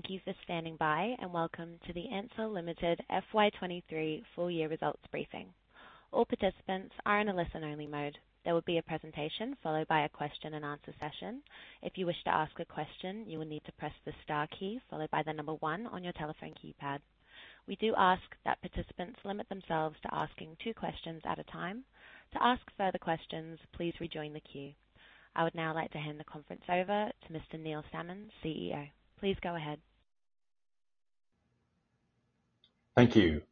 Thank you for standing by, and welcome to the Ansell Limited FY 2023 Full Year Results Briefing. All participants are in a listen-only mode. There will be a presentation followed by a question and answer session. If you wish to ask a question, you will need to press the star key followed by the number one on your telephone keypad. We do ask that participants limit themselves to asking two questions at a time. To ask further questions, please rejoin the queue. I would now like to hand the conference over to Mr. Neil Salmon, CEO. Please go ahead. Thank you.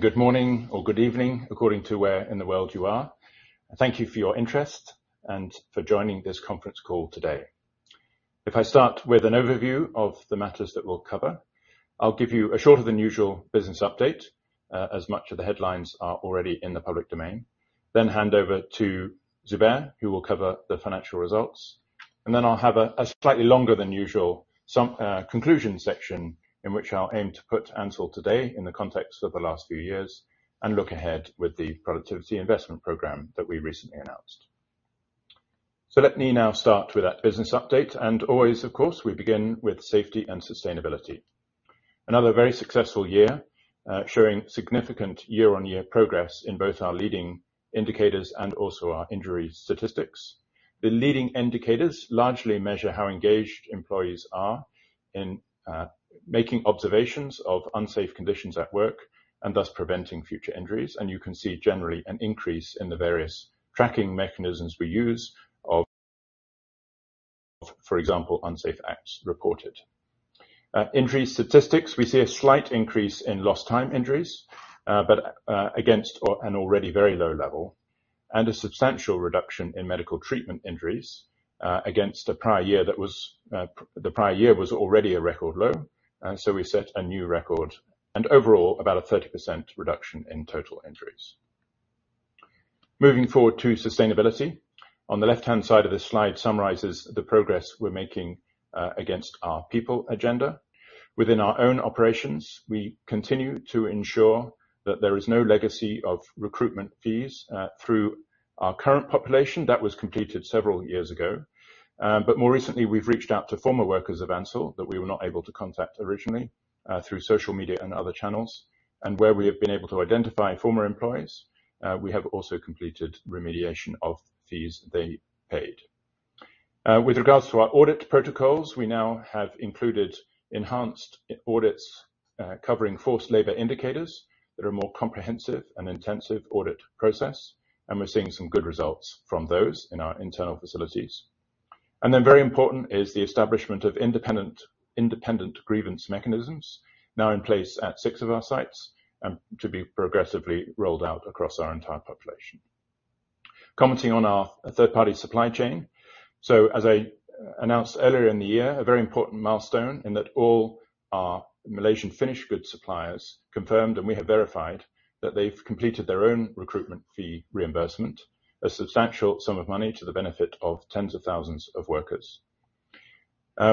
Good morning or good evening, according to where in the world you are. Thank you for your interest and for joining this conference call today. If I start with an overview of the matters that we'll cover, I'll give you a shorter than usual business update, as much of the headlines are already in the public domain, then hand over to Zubair, who will cover the financial results, and then I'll have a slightly longer than usual conclusion section, in which I'll aim to put Ansell today in the context of the last few years and look ahead with the productivity investment program that we recently announced. Let me now start with that business update. Always, of course, we begin with safety and sustainability. Another very successful year, showing significant year-on-year progress in both our leading indicators and also our injury statistics. The leading indicators largely measure how engaged employees are in making observations of unsafe conditions at work and thus preventing future injuries, and you can see generally an increase in the various tracking mechanisms we use of, for example, unsafe acts reported. Injury statistics, we see a slight increase in lost time injuries, but against or an already very low level, and a substantial reduction in medical treatment injuries, against a prior year that was. The prior year was already a record low, and so we set a new record, and overall, about a 30% reduction in total injuries. Moving forward to sustainability, on the left-hand side of this slide summarizes the progress we're making against our people agenda. Within our own operations, we continue to ensure that there is no legacy of recruitment fees through our current population. That was completed several years ago, but more recently, we've reached out to former workers of Ansell that we were not able to contact originally through social media and other channels, and where we have been able to identify former employees, we have also completed remediation of fees they paid. With regards to our audit protocols, we now have included enhanced e-audits covering forced labor indicators that are a more comprehensive and intensive audit process, and we're seeing some good results from those in our internal facilities. Then very important is the establishment of independent, independent grievance mechanisms, now in place at six of our sites and to be progressively rolled out across our entire population. Commenting on our third-party supply chain, as I announced earlier in the year, a very important milestone in that all our Malaysian finished goods suppliers confirmed, and we have verified, that they've completed their own recruitment fee reimbursement, a substantial sum of money to the benefit of tens of thousands of workers.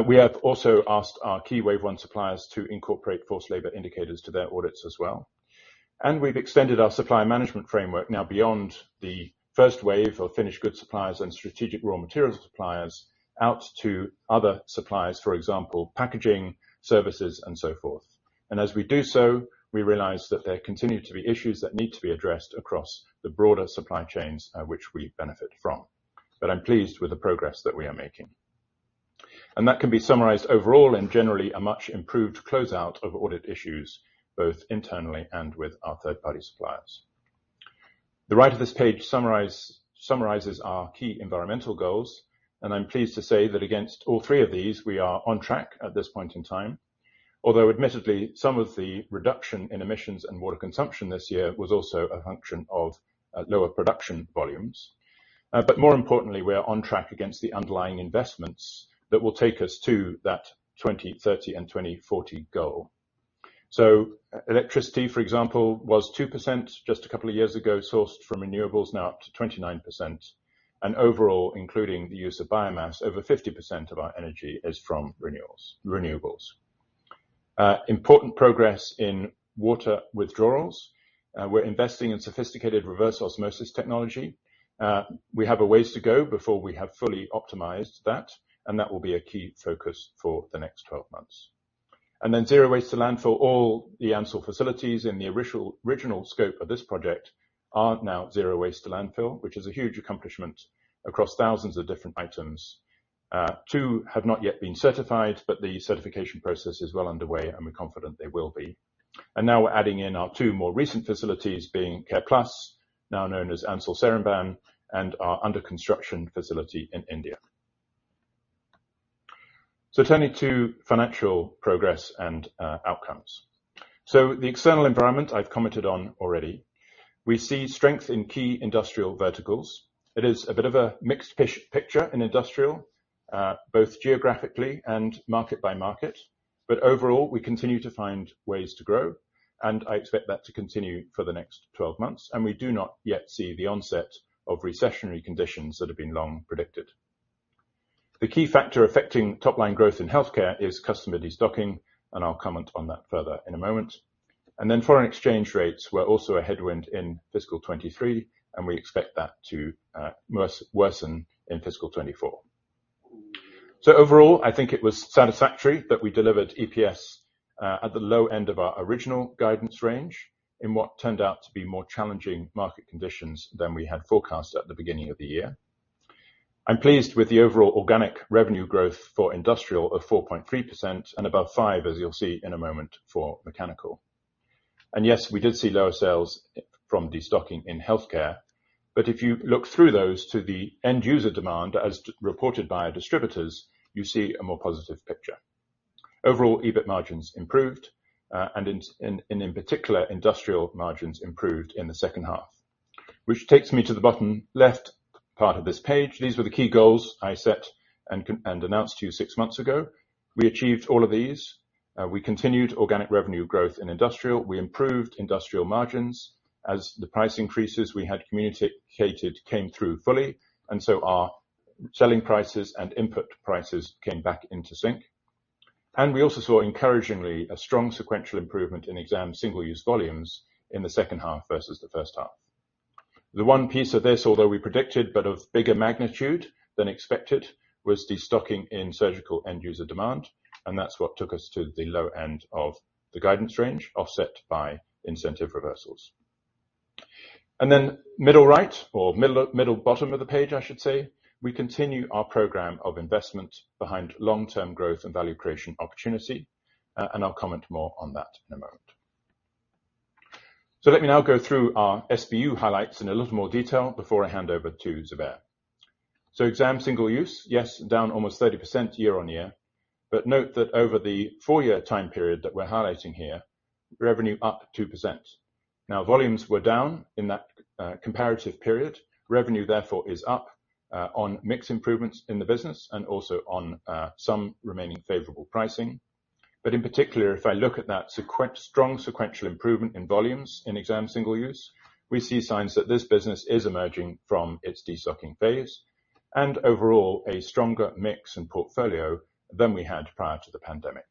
We have also asked our key Wave One suppliers to incorporate forced labor indicators to their audits as well, we've extended our supply management framework now beyond the first wave of finished goods suppliers and strategic raw materials suppliers out to other suppliers, for example, packaging, services, and so forth. As we do so, we realize that there continue to be issues that need to be addressed across the broader supply chains, which we benefit from. I'm pleased with the progress that we are making. That can be summarized overall in generally a much improved closeout of audit issues, both internally and with our third-party suppliers. The right of this page summarizes our key environmental goals, and I'm pleased to say that against all three of these, we are on track at this point in time, although admittedly, some of the reduction in emissions and water consumption this year was also a function of lower production volumes. But more importantly, we are on track against the underlying investments that will take us to that 2030 and 2040 goal. Electricity, for example, was 2% just a couple of years ago, sourced from renewables, now up to 29%, and overall, including the use of biomass, over 50% of our energy is from renewables. Important progress in water withdrawals. We're investing in sophisticated reverse osmosis technology. We have a ways to go before we have fully optimized that, and that will be a key focus for the next 12 months. Then zero waste to landfill. All the Ansell facilities in the original, original scope of this project are now zero waste to landfill, which is a huge accomplishment across thousands of different items. Two have not yet been certified, but the certification process is well underway, and we're confident they will be. Now we're adding in our two more recent facilities, being Careplus, now known as Ansell Seremban, and our under construction facility in India. Turning to financial progress and outcomes. The external environment I've commented on already. We see strength in key industrial verticals. It is a bit of a mixed picture in industrial, both geographically and market by market, but overall, we continue to find ways to grow, and I expect that to continue for the next 12 months, and we do not yet see the onset of recessionary conditions that have been long predicted. The key factor affecting top-line growth in healthcare is customer destocking, and I'll comment on that further in a moment. Foreign exchange rates were also a headwind in fiscal 2023, and we expect that to worsen in fiscal 2024. Overall, I think it was satisfactory that we delivered EPS at the low end of our original guidance range, in what turned out to be more challenging market conditions than we had forecasted at the beginning of the year. I'm pleased with the overall organic revenue growth for industrial of 4.3%, and above five, as you'll see in a moment, for mechanical. Yes, we did see lower sales from destocking in healthcare, but if you look through those to the end user demand, as reported by our distributors, you see a more positive picture. Overall, EBIT margins improved, and in particular, industrial margins improved in the second half. Which takes me to the bottom left part of this page. These were the key goals I set and announced to you six months ago. We achieved all of these. We continued organic revenue growth in industrial, we improved industrial margins as the price increases we had communicated, came through fully, our selling prices and input prices came back into sync. We also saw, encouragingly, a strong sequential improvement in Exam/SU volumes in the second half versus the first half. The one piece of this, although we predicted, but of bigger magnitude than expected, was the stocking in surgical end user demand, and that's what took us to the low end of the guidance range, offset by incentive reversals. Then middle right or middle, middle bottom of the page, I should say, we continue our program of investment behind long-term growth and value creation opportunity, and I'll comment more on that in a moment. Let me now go through our SBU highlights in a little more detail before I hand over to Zubair. Exam/SU, yes, down almost 30% year-on-year, but note that over the 4-year time period that we're highlighting here, revenue up 2%. Now, volumes were down in that comparative period. Revenue, therefore, is up on mix improvements in the business and also on some remaining favorable pricing. In particular, if I look at that strong sequential improvement in volumes in Exam/SU, we see signs that this business is emerging from its destocking phase, and overall, a stronger mix and portfolio than we had prior to the pandemic.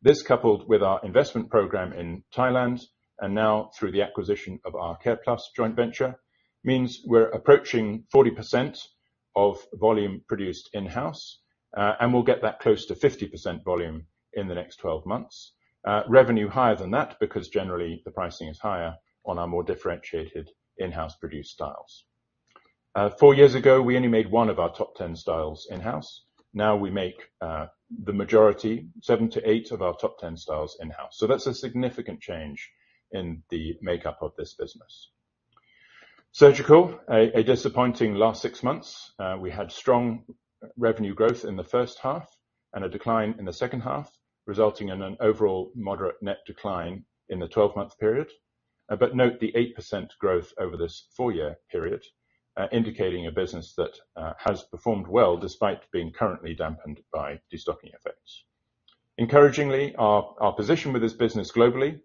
This, coupled with our investment program in Thailand, and now through the acquisition of our Careplus joint venture, means we're approaching 40% of volume produced in-house, and we'll get that close to 50% volume in the next 12 months. Revenue higher than that, because generally, the pricing is higher on our more differentiated in-house produced styles. Four years ago, we only made one of our top 10 styles in-house. Now we make, the majority, seven to eight of our top 10 styles in-house. That's a significant change in the makeup of this business. Surgical, a disappointing last six months. We had strong revenue growth in the first half and a decline in the second half, resulting in an overall moderate net decline in the 12-month period. Note the 8% growth over this four-year period, indicating a business that has performed well, despite being currently dampened by destocking effects. Encouragingly, our position with this business globally,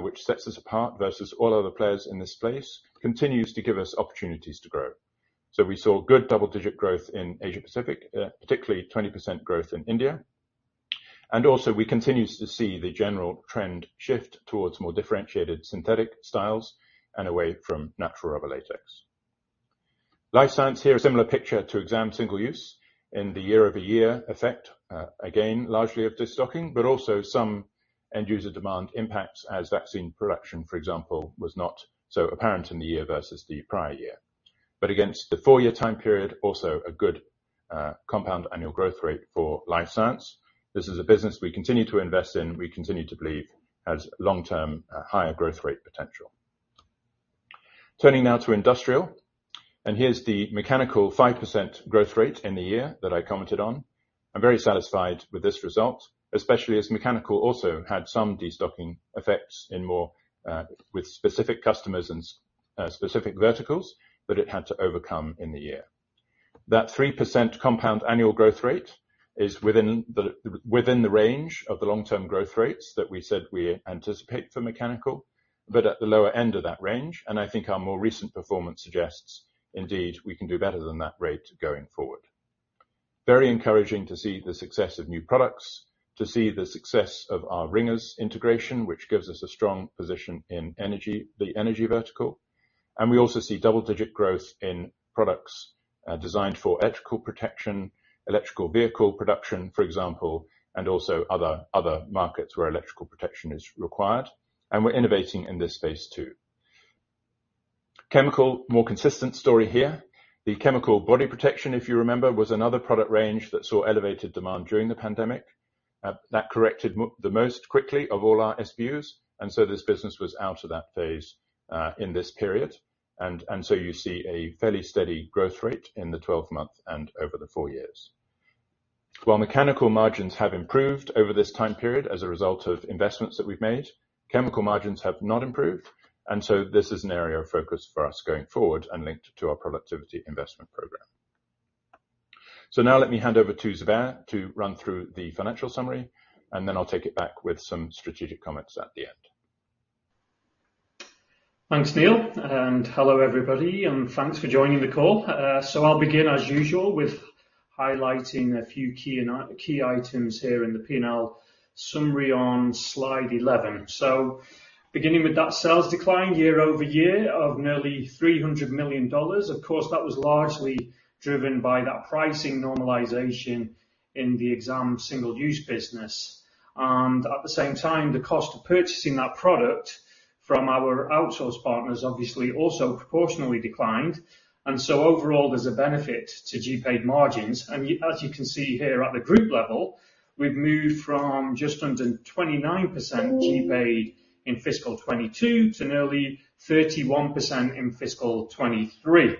which sets us apart versus all other players in this space, continues to give us opportunities to grow. We saw good double-digit growth in Asia Pacific, particularly 20% growth in India. Also, we continue to see the general trend shift towards more differentiated synthetic styles and away from natural rubber latex. Life Science here, a similar picture to exam single use in the year-over-year effect, again, largely of destocking, but also some end-user demand impacts as vaccine production, for example, was not so apparent in the year versus the prior year. Against the four-year time period, also a good compound annual growth rate for Life Science. This is a business we continue to invest in, we continue to believe has long-term, higher growth rate potential. Turning now to Industrial, here's the Mechanical 5% growth rate in the year that I commented on. I'm very satisfied with this result, especially as Mechanical also had some destocking effects in more, with specific customers and specific verticals, but it had to overcome in the year. That 3% compound annual growth rate is within the, within the range of the long-term growth rates that we said we anticipate for Mechanical, but at the lower end of that range, and I think our more recent performance suggests, indeed, we can do better than that rate going forward. Very encouraging to see the success of new products, to see the success of our RINGERS integration, which gives us a strong position in energy, the energy vertical, and we also see double-digit growth in products, designed for electrical protection, electrical vehicle production, for example, and also other, other markets where electrical protection is required, and we're innovating in this space, too. Chemical, more consistent story here. The chemical body protection, if you remember, was another product range that saw elevated demand during the pandemic. That corrected the most quickly of all our SBUs, and so this business was out of that phase in this period, and so you see a fairly steady growth rate in the 12 months and over the four years. While mechanical margins have improved over this time period as a result of investments that we've made, chemical margins have not improved, and so this is an area of focus for us going forward and linked to our productivity investment program. Now let me hand over to Zubair to run through the financial summary, and then I'll take it back with some strategic comments at the end. Thanks, Neil, and hello everybody, and thanks for joining the call. I'll begin, as usual, with highlighting a few key items here in the P&L summary on slide 11. Beginning with that sales decline year-over-year of nearly $300 million. Of course, that was largely driven by that pricing normalization in the Exam single-use business. At the same time, the cost of purchasing that product from our outsource partners, obviously, also proportionally declined. Overall, there's a benefit to GPAD margins. As you can see here, at the group level, we've moved from just under 29% GPAD in fiscal 2022 to nearly 31% in fiscal 2023.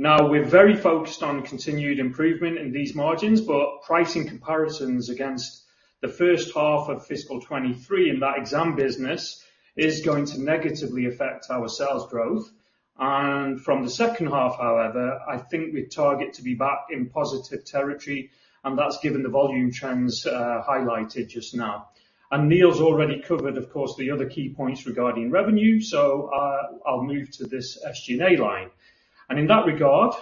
Now, we're very focused on continued improvement in these margins, but pricing comparisons against the first half of fiscal 2023 in that exam business is going to negatively affect our sales growth. From the second half, however, I think we target to be back in positive territory, and that's given the volume trends, highlighted just now. Neil's already covered, of course, the other key points regarding revenue, so, I'll move to this SG&A line. In that regard,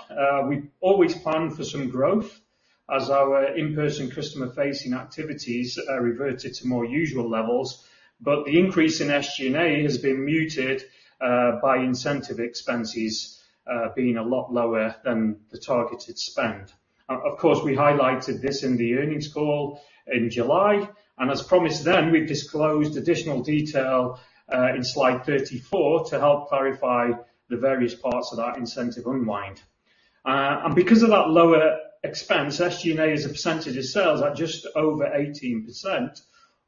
we always plan for some growth as our in-person customer-facing activities are reverted to more usual levels, but the increase in SG&A has been muted, by incentive expenses, being a lot lower than the targeted spend. Of, of course, we highlighted this in the earnings call in July, and as promised then, we've disclosed additional detail in slide 34 to help clarify the various parts of that incentive unwind. Because of that lower expense, SG&A as a percentage of sales at just over 18%,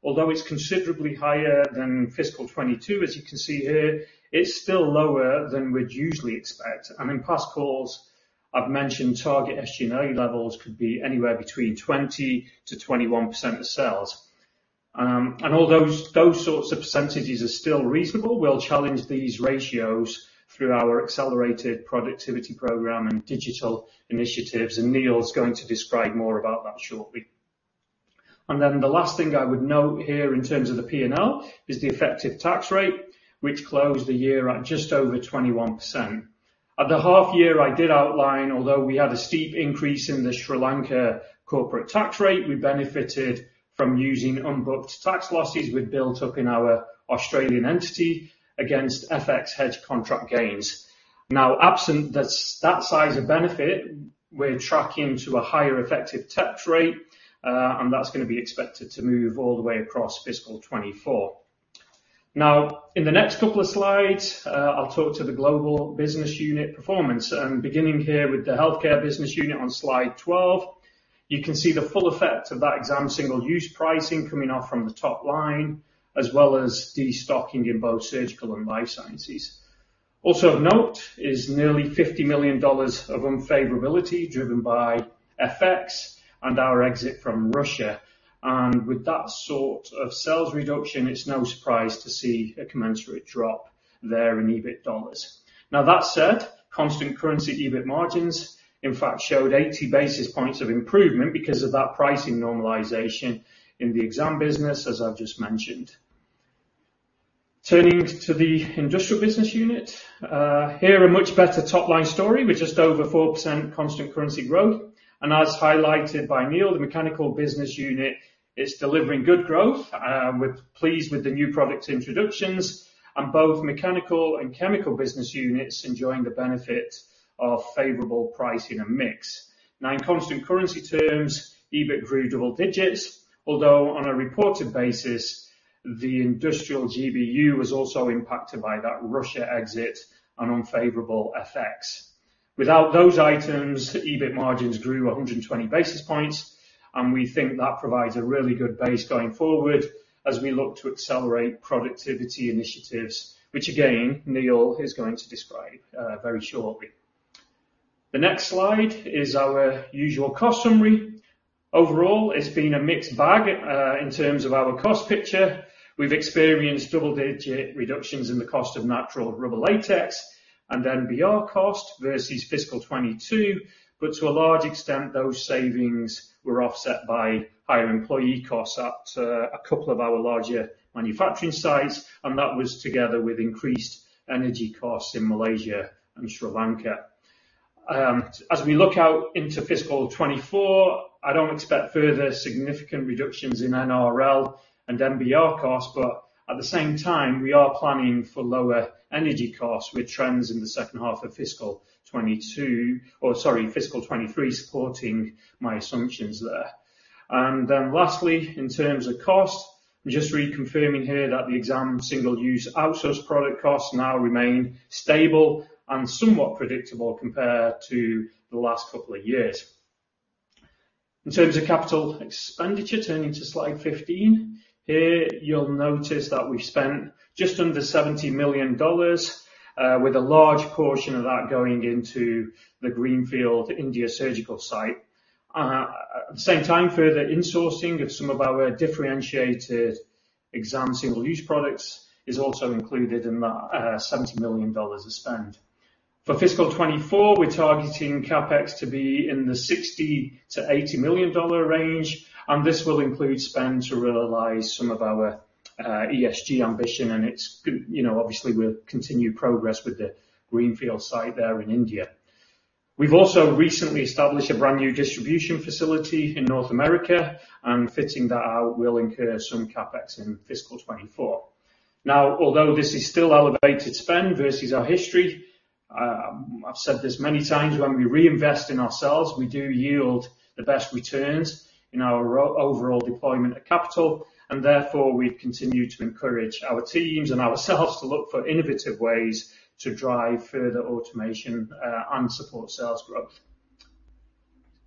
although it's considerably higher than fiscal 22, as you can see here, it's still lower than we'd usually expect. In past calls, I've mentioned target SG&A levels could be anywhere between 20%-21% of sales. Although those sorts of percentages are still reasonable, we'll challenge these ratios through our Accelerated Productivity Investment Program and digital initiatives, and Neil's going to describe more about that shortly. Then the last thing I would note here in terms of the P&L, is the effective tax rate, which closed the year at just over 21%. At the half year, I did outline, although we had a steep increase in the Sri Lanka corporate tax rate, we benefited from using unbooked tax losses we'd built up in our Australian entity against FX hedge contract gains. Absent that size of benefit, we're tracking to a higher effective tax rate, and that's gonna be expected to move all the way across fiscal 2024. In the next couple of slides, I'll talk to the global business unit performance, and beginning here with the healthcare business unit on slide 12, you can see the full effect of that exam single use pricing coming off from the top line, as well as destocking in both surgical and life sciences. Also of note, is nearly $50 million of unfavorability, driven by FX and our exit from Russia. With that sort of sales reduction, it's no surprise to see a commensurate drop there in EBIT dollars. Now, that said, constant currency EBIT margins, in fact, showed 80 basis points of improvement because of that pricing normalization in the exam business, as I've just mentioned. Turning to the Industrial business unit, here, a much better top-line story, with just over 4% constant currency growth. As highlighted by Neil, the Mechanical business unit is delivering good growth, and we're pleased with the new product introductions, and both Mechanical and Chemical business units enjoying the benefit of favorable pricing and mix. Now, in constant currency terms, EBIT grew double digits, although on a reported basis, the Industrial GBU was also impacted by that Russia exit and unfavorable FX. Without those items, EBIT margins grew 120 basis points, and we think that provides a really good base going forward as we look to accelerate productivity initiatives, which again, Neil is going to describe very shortly. The next slide is our usual cost summary. Overall, it's been a mixed bag in terms of our cost picture. We've experienced double-digit reductions in the cost of natural rubber latex and NBR cost versus fiscal 2022, but to a large extent, those savings were offset by higher employee costs at a couple of our larger manufacturing sites, and that was together with increased energy costs in Malaysia and Sri Lanka. As we look out into fiscal 2024, I don't expect further significant reductions in NRL and NBR costs, but at the same time, we are planning for lower energy costs, with trends in the second half of fiscal 2022 or sorry, fiscal 2023, supporting my assumptions there. Lastly, in terms of cost, I'm just reconfirming here that the exam, single use, outsource product costs now remain stable and somewhat predictable compared to the last couple of years. In terms of capital expenditure, turning to slide 15. Here, you'll notice that we've spent just under $70 million, with a large portion of that going into the Greenfield India surgical site. At the same time, further insourcing of some of our differentiated exam single use products is also included in that $70 million of spend. For fiscal 2024, we're targeting CapEx to be in the $60 million-$80 million range, and this will include spend to realize some of our ESG ambition, and it's you know, obviously, we've continued progress with the Greenfield site there in India. We've also recently established a brand new distribution facility in North America, and fitting that out will incur some CapEx in fiscal 2024. Now, although this is still elevated spend versus our history, I've said this many times, when we reinvest in ourselves, we do yield the best returns in our overall deployment of capital, and therefore, we continue to encourage our teams and ourselves to look for innovative ways to drive further automation and support sales growth.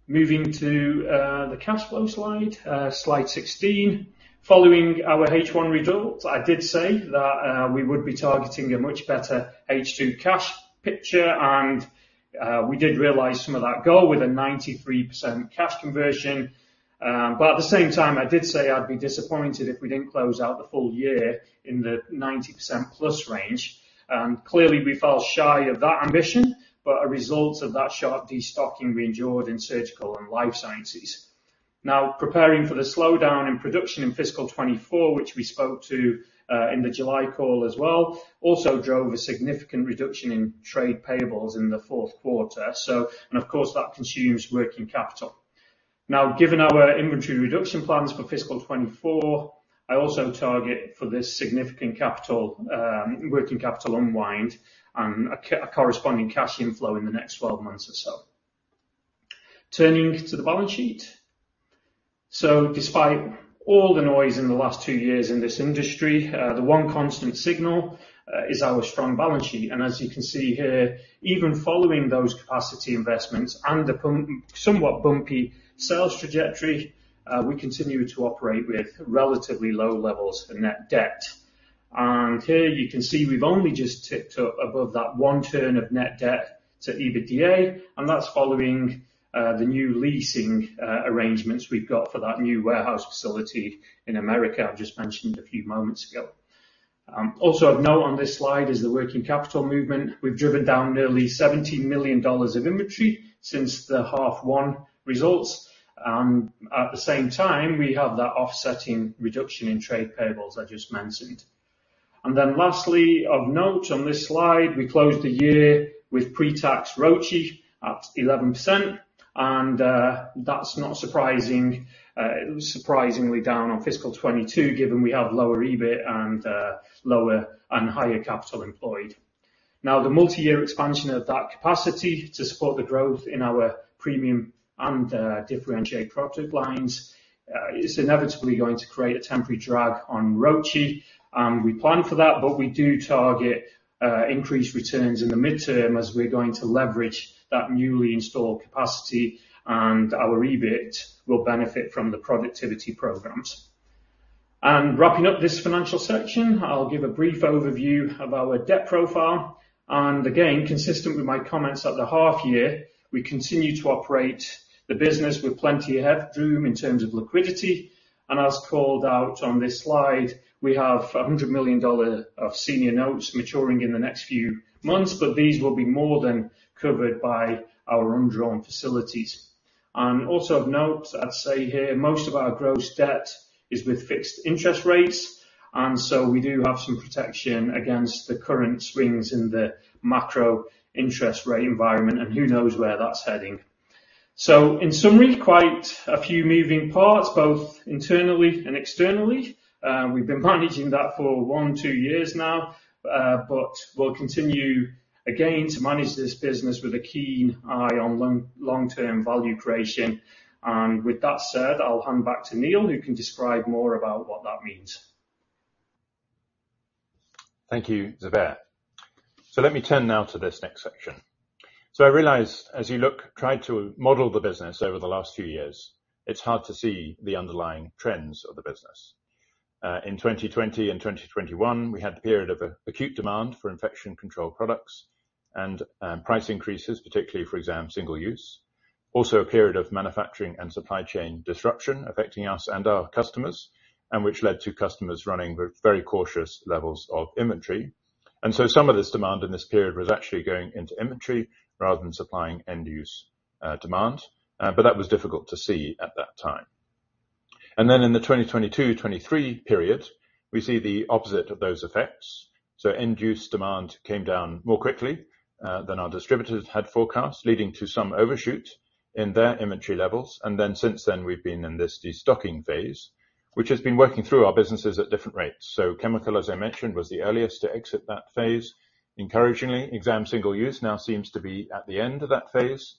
Moving to the cash flow slide, slide 16. Following our H1 results, I did say that we would be targeting a much better H2 cash picture, and we did realize some of that goal with a 93% cash conversion. At the same time, I did say I'd be disappointed if we didn't close out the full year in the 90%+ range, and clearly, we fell shy of that ambition, but a result of that sharp destocking we endured in Surgical and Life Sciences. Now, preparing for the slowdown in production in fiscal 2024, which we spoke to in the July call as well, also drove a significant reduction in trade payables in the fourth quarter. Of course, that consumes working capital. Now, given our inventory reduction plans for fiscal 2024, I also target for this significant capital, working capital unwind and a corresponding cash inflow in the next 12 months or so. Turning to the balance sheet. Despite all the noise in the last two years in this industry, the one constant signal is our strong balance sheet. As you can see here, even following those capacity investments and the somewhat bumpy sales trajectory, we continue to operate with relatively low levels of net debt. Here you can see we've only just ticked up above that one turn of net debt to EBITDA, and that's following the new leasing arrangements we've got for that new warehouse facility in America, I've just mentioned a few moments ago. Also of note on this slide is the working capital movement. We've driven down nearly $17 million of inventory since the 1H results. At the same time, we have that offsetting reduction in trade payables I just mentioned. Lastly, of note on this slide, we closed the year with pre-tax ROCE at 11%. That's not surprisingly down on fiscal 2022, given we have lower EBIT and lower and higher capital employed. Now, the multi-year expansion of that capacity to support the growth in our premium and differentiated product lines is inevitably going to create a temporary drag on ROCE. We plan for that, but we do target increased returns in the midterm as we're going to leverage that newly installed capacity. Our EBIT will benefit from the productivity programs. Wrapping up this financial section, I'll give a brief overview of our debt profile. Again, consistent with my comments at the half year, we continue to operate the business with plenty of headroom in terms of liquidity, and as called out on this slide, we have $100 million of senior notes maturing in the next few months. These will be more than covered by our undrawn facilities. Also of note, I'd say here, most of our gross debt is with fixed interest rates. So we do have some protection against the current swings in the macro interest rate environment, and who knows where that's heading. In summary, quite a few moving parts, both internally and externally. We've been managing that for one, two years now. We'll continue, again, to manage this business with a keen eye on long, long-term value creation. With that said, I'll hand back to Neil, who can describe more about what that means. Thank you, Zubair. Let me turn now to this next section. I realize as you look, try to model the business over the last few years, it's hard to see the underlying trends of the business. In 2020 and 2021, we had a period of acute demand for infection control products and price increases, particularly for Exam Single-Use. Also, a period of manufacturing and supply chain disruption affecting us and our customers, and which led to customers running very cautious levels of inventory. So some of this demand in this period was actually going into inventory rather than supplying end use demand, but that was difficult to see at that time. In the 2022-2023 period, we see the opposite of those effects, so end use demand came down more quickly than our distributors had forecast, leading to some overshoot in their inventory levels. Since then, we've been in this destocking phase, which has been working through our businesses at different rates. Chemical, as I mentioned, was the earliest to exit that phase. Encouragingly, exam single use now seems to be at the end of that phase.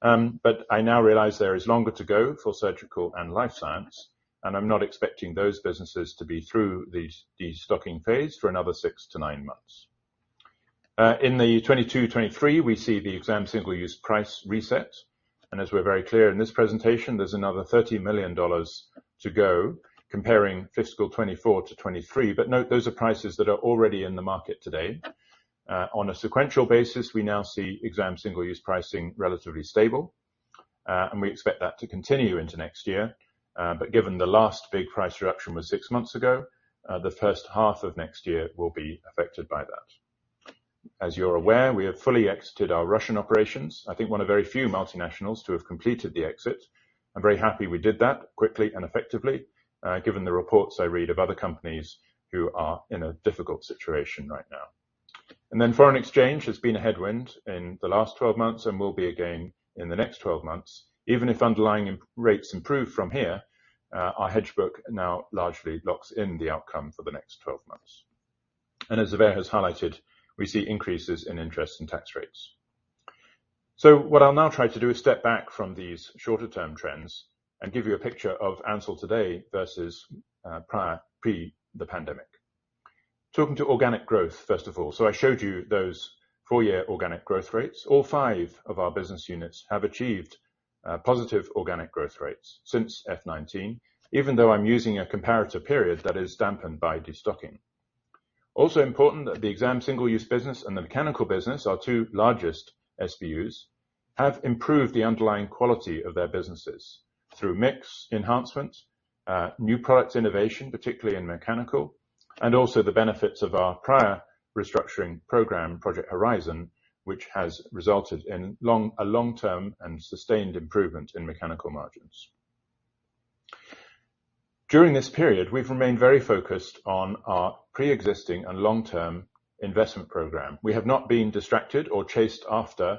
I now realize there is longer to go for surgical and life science, and I'm not expecting those businesses to be through the destocking phase for another six to nine months. In the 2022, 2023, we see the exam single use price reset. As we're very clear in this presentation, there's another $30 million to go comparing fiscal 2024 to 2023. Note, those are prices that are already in the market today. On a sequential basis, we now see exam single use pricing relatively stable. We expect that to continue into next year. Given the last big price reduction was six months ago, the first half of next year will be affected by that. As you're aware, we have fully exited our Russian operations, I think one of very few multinationals to have completed the exit. I'm very happy we did that quickly and effectively, given the reports I read of other companies who are in a difficult situation right now. Foreign exchange has been a headwind in the last 12 months and will be again in the next 12 months. Even if underlying rates improve from here, our hedge book now largely locks in the outcome for the next 12 months. As Zubair has highlighted, we see increases in interest and tax rates. What I'll now try to do is step back from these shorter term trends and give you a picture of Ansell today versus, prior, pre the pandemic. Talking to organic growth, first of all, so I showed you those four-year organic growth rates. All five of our business units have achieved positive organic growth rates since F 19, even though I'm using a comparator period that is dampened by destocking. Important that the Exam Single-Use business and the Mechanical business, our two largest SBUs, have improved the underlying quality of their businesses through mix enhancement, new product innovation, particularly in Mechanical, and also the benefits of our prior restructuring program, Project Horizon, which has resulted in a long-term and sustained improvement in Mechanical margins. During this period, we've remained very focused on our pre-existing and long-term investment program. We have not been distracted or chased after,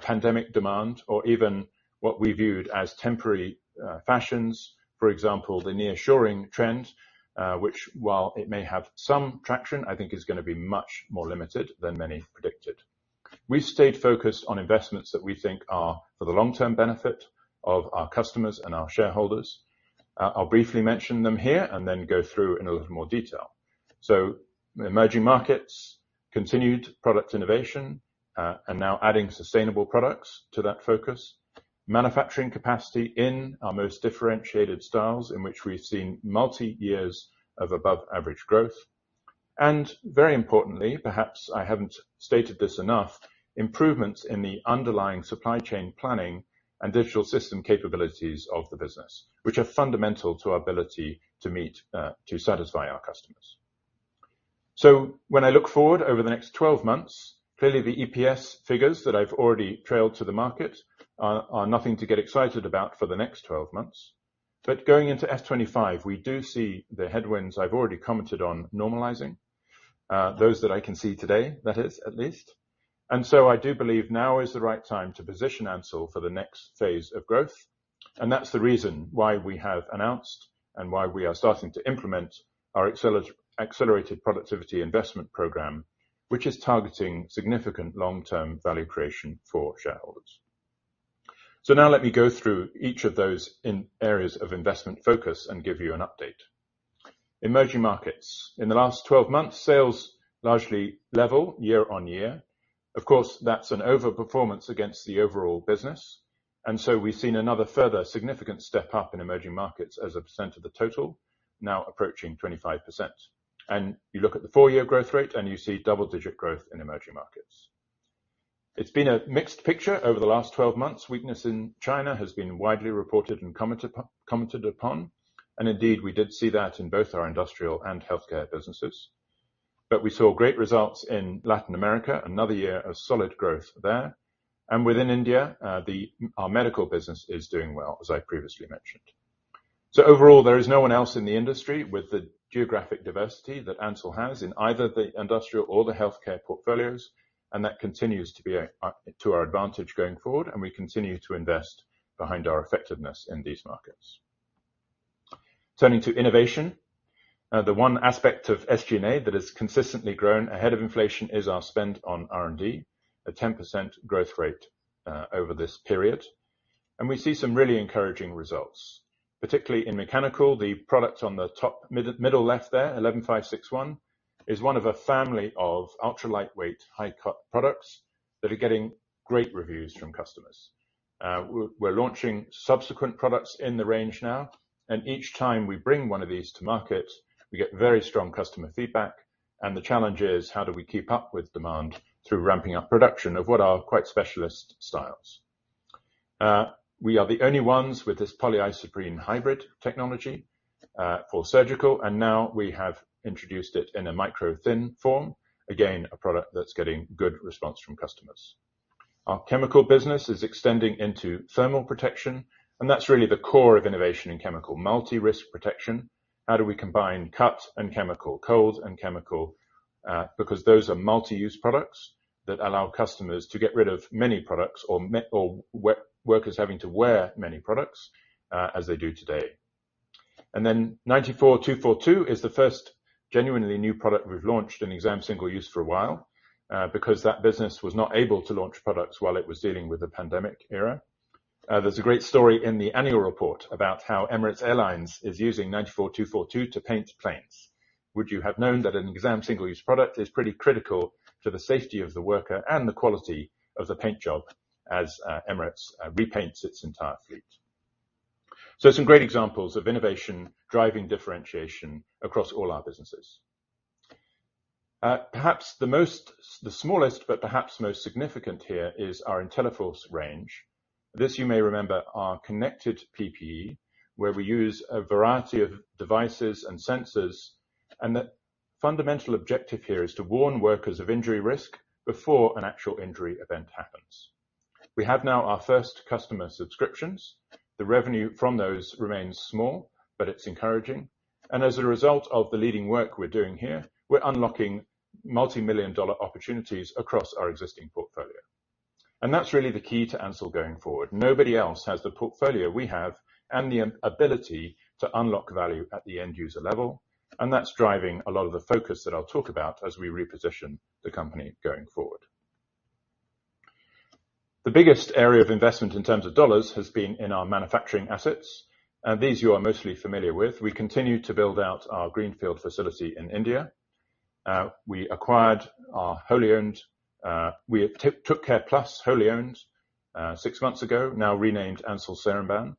pandemic demand or even what we viewed as temporary fashions, for example, the nearshoring trend, which, while it may have some traction, I think is gonna be much more limited than many predicted. We've stayed focused on investments that we think are for the long-term benefit of our customers and our shareholders. I'll briefly mention them here and then go through in a little more detail. Emerging markets, continued product innovation, and now adding sustainable products to that focus, manufacturing capacity in our most differentiated styles in which we've seen multi years of above-average growth, and very importantly, perhaps I haven't stated this enough, improvements in the underlying supply chain planning and digital system capabilities of the business, which are fundamental to our ability to meet, to satisfy our customers. When I look forward over the next 12 months, clearly the EPS figures that I've already trailed to the market are, are nothing to get excited about for the next 12 months. Going into S 25, we do see the headwinds I've already commented on normalizing, those that I can see today, that is at least. I do believe now is the right time to position Ansell for the next phase of growth, and that's the reason why we have announced and why we are starting to implement our Accelerated Productivity Investment Program, which is targeting significant long-term value creation for shareholders. Now let me go through each of those in areas of investment focus and give you an update. Emerging markets. In the last 12 months, sales largely level year-on-year. Of course, that's an overperformance against the overall business, and so we've seen another further significant step up in emerging markets as a % of the total, now approaching 25%. You look at the four-year growth rate, and you see double-digit growth in emerging markets. It's been a mixed picture over the last 12 months. Weakness in China has been widely reported and commented upon, and indeed, we did see that in both our industrial and healthcare businesses. We saw great results in Latin America, another year of solid growth there, and within India, the, our medical business is doing well, as I previously mentioned. Overall, there is no one else in the industry with the geographic diversity that Ansell has in either the industrial or the healthcare portfolios, and that continues to be a, to our advantage going forward, and we continue to invest behind our effectiveness in these markets. Turning to innovation, the one aspect of SG&A that has consistently grown ahead of inflation is our spend on R&D, a 10% growth rate over this period. We see some really encouraging results, particularly in Mechanical. The product on the top mid- middle left there, 11-561, is one of a family of ultra-lightweight, high-cut products that are getting great reviews from customers. We're, we're launching subsequent products in the range now. Each time we bring one of these to market, we get very strong customer feedback, and the challenge is: how do we keep up with demand through ramping up production of what are quite specialist styles? We are the only ones with this polyisoprene hybrid technology for surgical. Now we have introduced it in a micro-thin form. Again, a product that's getting good response from customers. Our Chemical business is extending into thermal protection. That's really the core of innovation in chemical multi-risk protection. How do we combine cut and chemical, cold and chemical? Because those are multi-use products that allow customers to get rid of many products or m- or we- workers having to wear many products as they do today. 94-242 is the first genuinely new product we've launched in exam single-use for a while because that business was not able to launch products while it was dealing with the pandemic era. There's a great story in the annual report about how Emirates Airline is using 94-242 to paint planes. Would you have known that an exam single-use product is pretty critical to the safety of the worker and the quality of the paint job as Emirates repaints its entire fleet? Some great examples of innovation driving differentiation across all our businesses. Perhaps the most, the smallest, but perhaps most significant here is our Inteliforz range. This, you may remember, are connected PPE, where we use a variety of devices and sensors, and the fundamental objective here is to warn workers of injury risk before an actual injury event happens. We have now our first customer subscriptions. The revenue from those remains small, but it's encouraging, and as a result of the leading work we're doing here, we're unlocking multimillion-dollar opportunities across our existing portfolio. That's really the key to Ansell going forward. Nobody else has the portfolio we have and the ability to unlock value at the end user level, and that's driving a lot of the focus that I'll talk about as we reposition the company going forward. The biggest area of investment in terms of dollars has been in our manufacturing assets, and these you are mostly familiar with. We continue to build out our greenfield facility in India. We acquired our wholly owned, we took Careplus wholly owned, six months ago, now renamed Ansell Seremban.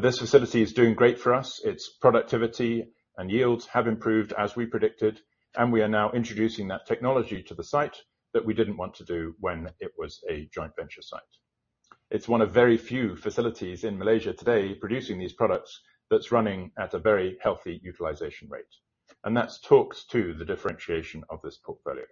This facility is doing great for us. Its productivity and yields have improved as we predicted, and we are now introducing that technology to the site that we didn't want to do when it was a joint venture site. It's one of very few facilities in Malaysia today producing these products that's running at a very healthy utilization rate, and that's talks to the differentiation of this portfolio.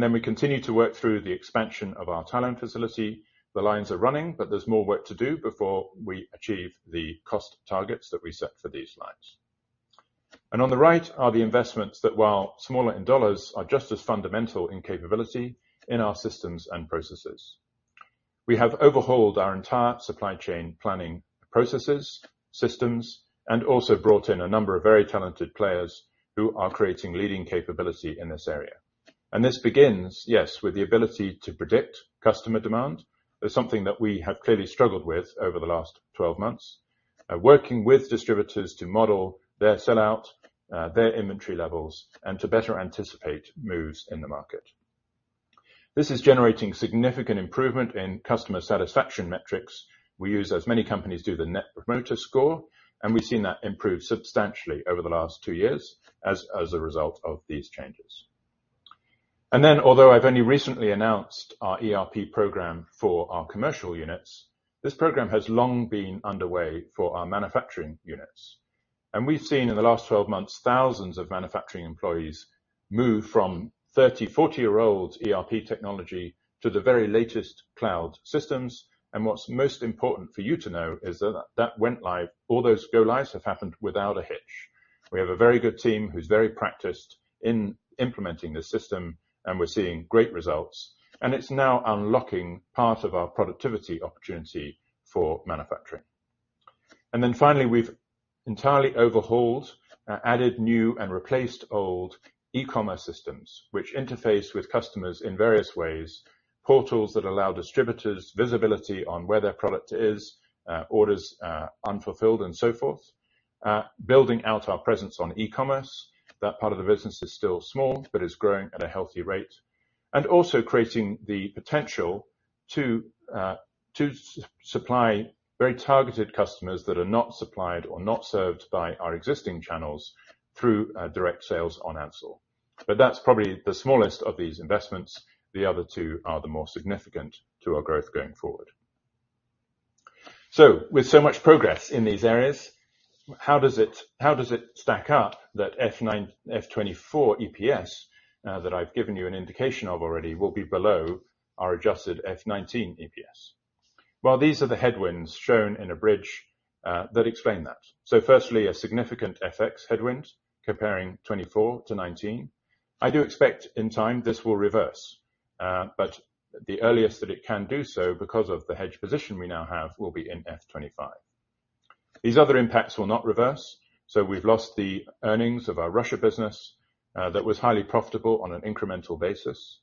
Then we continue to work through the expansion of our Thailand facility. The lines are running, but there's more work to do before we achieve the cost targets that we set for these lines. On the right are the investments that, while smaller in dollars, are just as fundamental in capability in our systems and processes. We have overhauled our entire supply chain planning processes, systems, and also brought in a number of very talented players who are creating leading capability in this area. This begins, yes, with the ability to predict customer demand. That's something that we have clearly struggled with over the last 12 months. Working with distributors to model their sellout, their inventory levels, and to better anticipate moves in the market. This is generating significant improvement in customer satisfaction metrics. We use, as many companies do, the Net Promoter Score, and we've seen that improve substantially over the last two years as a result of these changes. Then, although I've only recently announced our ERP program for our commercial units, this program has long been underway for our manufacturing units. We've seen in the last 12 months, thousands of manufacturing employees move from 30, 40-year-old ERP technology to the very latest cloud systems, and what's most important for you to know is that that went live. All those go lives have happened without a hitch. We have a very good team who's very practiced in implementing this system, and we're seeing great results, and it's now unlocking part of our productivity opportunity for manufacturing. Then finally, we've entirely overhauled, added new and replaced old e-commerce systems, which interface with customers in various ways, portals that allow distributors visibility on where their product is, orders unfulfilled, and so forth. Building out our presence on e-commerce. That part of the business is still small, but is growing at a healthy rate. Also creating the potential to supply very targeted customers that are not supplied or not served by our existing channels through direct sales on Ansell. But that's probably the smallest of these investments. The other two are the more significant to our growth going forward. With so much progress in these areas, how does it, how does it stack up that FY 2024 EPS that I've given you an indication of already, will be below our adjusted FY 2019 EPS? Well, these are the headwinds shown in a bridge that explain that. Firstly, a significant FX headwind comparing 2024 to 2019. I do expect in time this will reverse, but the earliest that it can do so, because of the hedge position we now have, will be in FY 2025. These other impacts will not reverse, we've lost the earnings of our Russia business that was highly profitable on an incremental basis.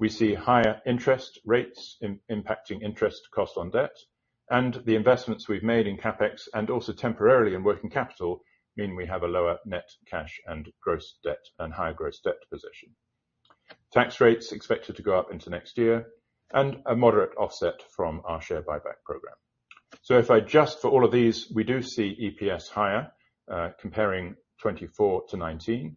We see higher interest rates impacting interest costs on debt, and the investments we've made in CapEx, and also temporarily in working capital, mean we have a lower net cash and gross debt, and higher gross debt position. Tax rates expected to go up into next year and a moderate offset from our share buyback program. If I adjust for all of these, we do see EPS higher, comparing 2024 to 2019.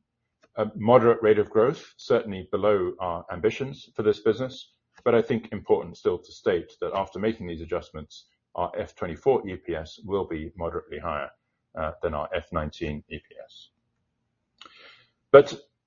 A moderate rate of growth, certainly below our ambitions for this business, I think important still to state that after making these adjustments, our FY 2024 EPS will be moderately higher than our FY 2019 EPS.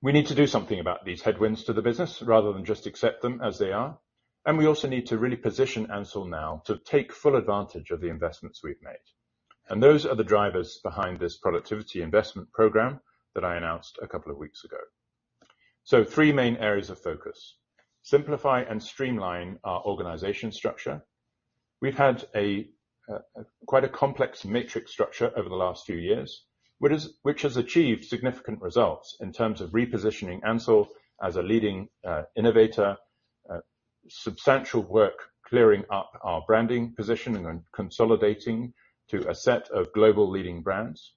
We need to do something about these headwinds to the business rather than just accept them as they are, and we also need to really position Ansell now to take full advantage of the investments we've made. Those are the drivers behind this Productivity Investment Program that I announced a couple of weeks ago. Three main areas of focus. Simplify and streamline our organization structure. We've had a, quite a complex matrix structure over the last few years, which has achieved significant results in terms of repositioning Ansell as a leading, innovator, substantial work, clearing up our branding position and consolidating to a set of global leading brands,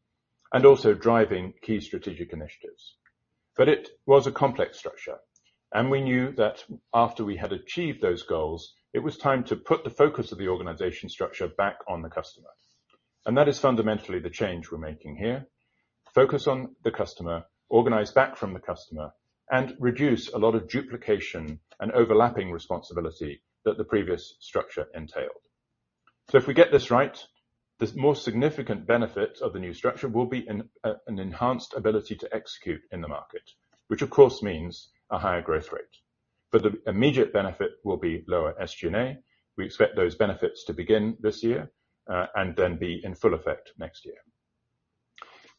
and also driving key strategic initiatives. It was a complex structure, and we knew that after we had achieved those goals, it was time to put the focus of the organization structure back on the customer. That is fundamentally the change we're making here. Focus on the customer, organize back from the customer, and reduce a lot of duplication and overlapping responsibility that the previous structure entailed. If we get this right, the more significant benefit of the new structure will be an enhanced ability to execute in the market, which, of course, means a higher growth rate, but the immediate benefit will be lower SG&A. We expect those benefits to begin this year, and then be in full effect next year.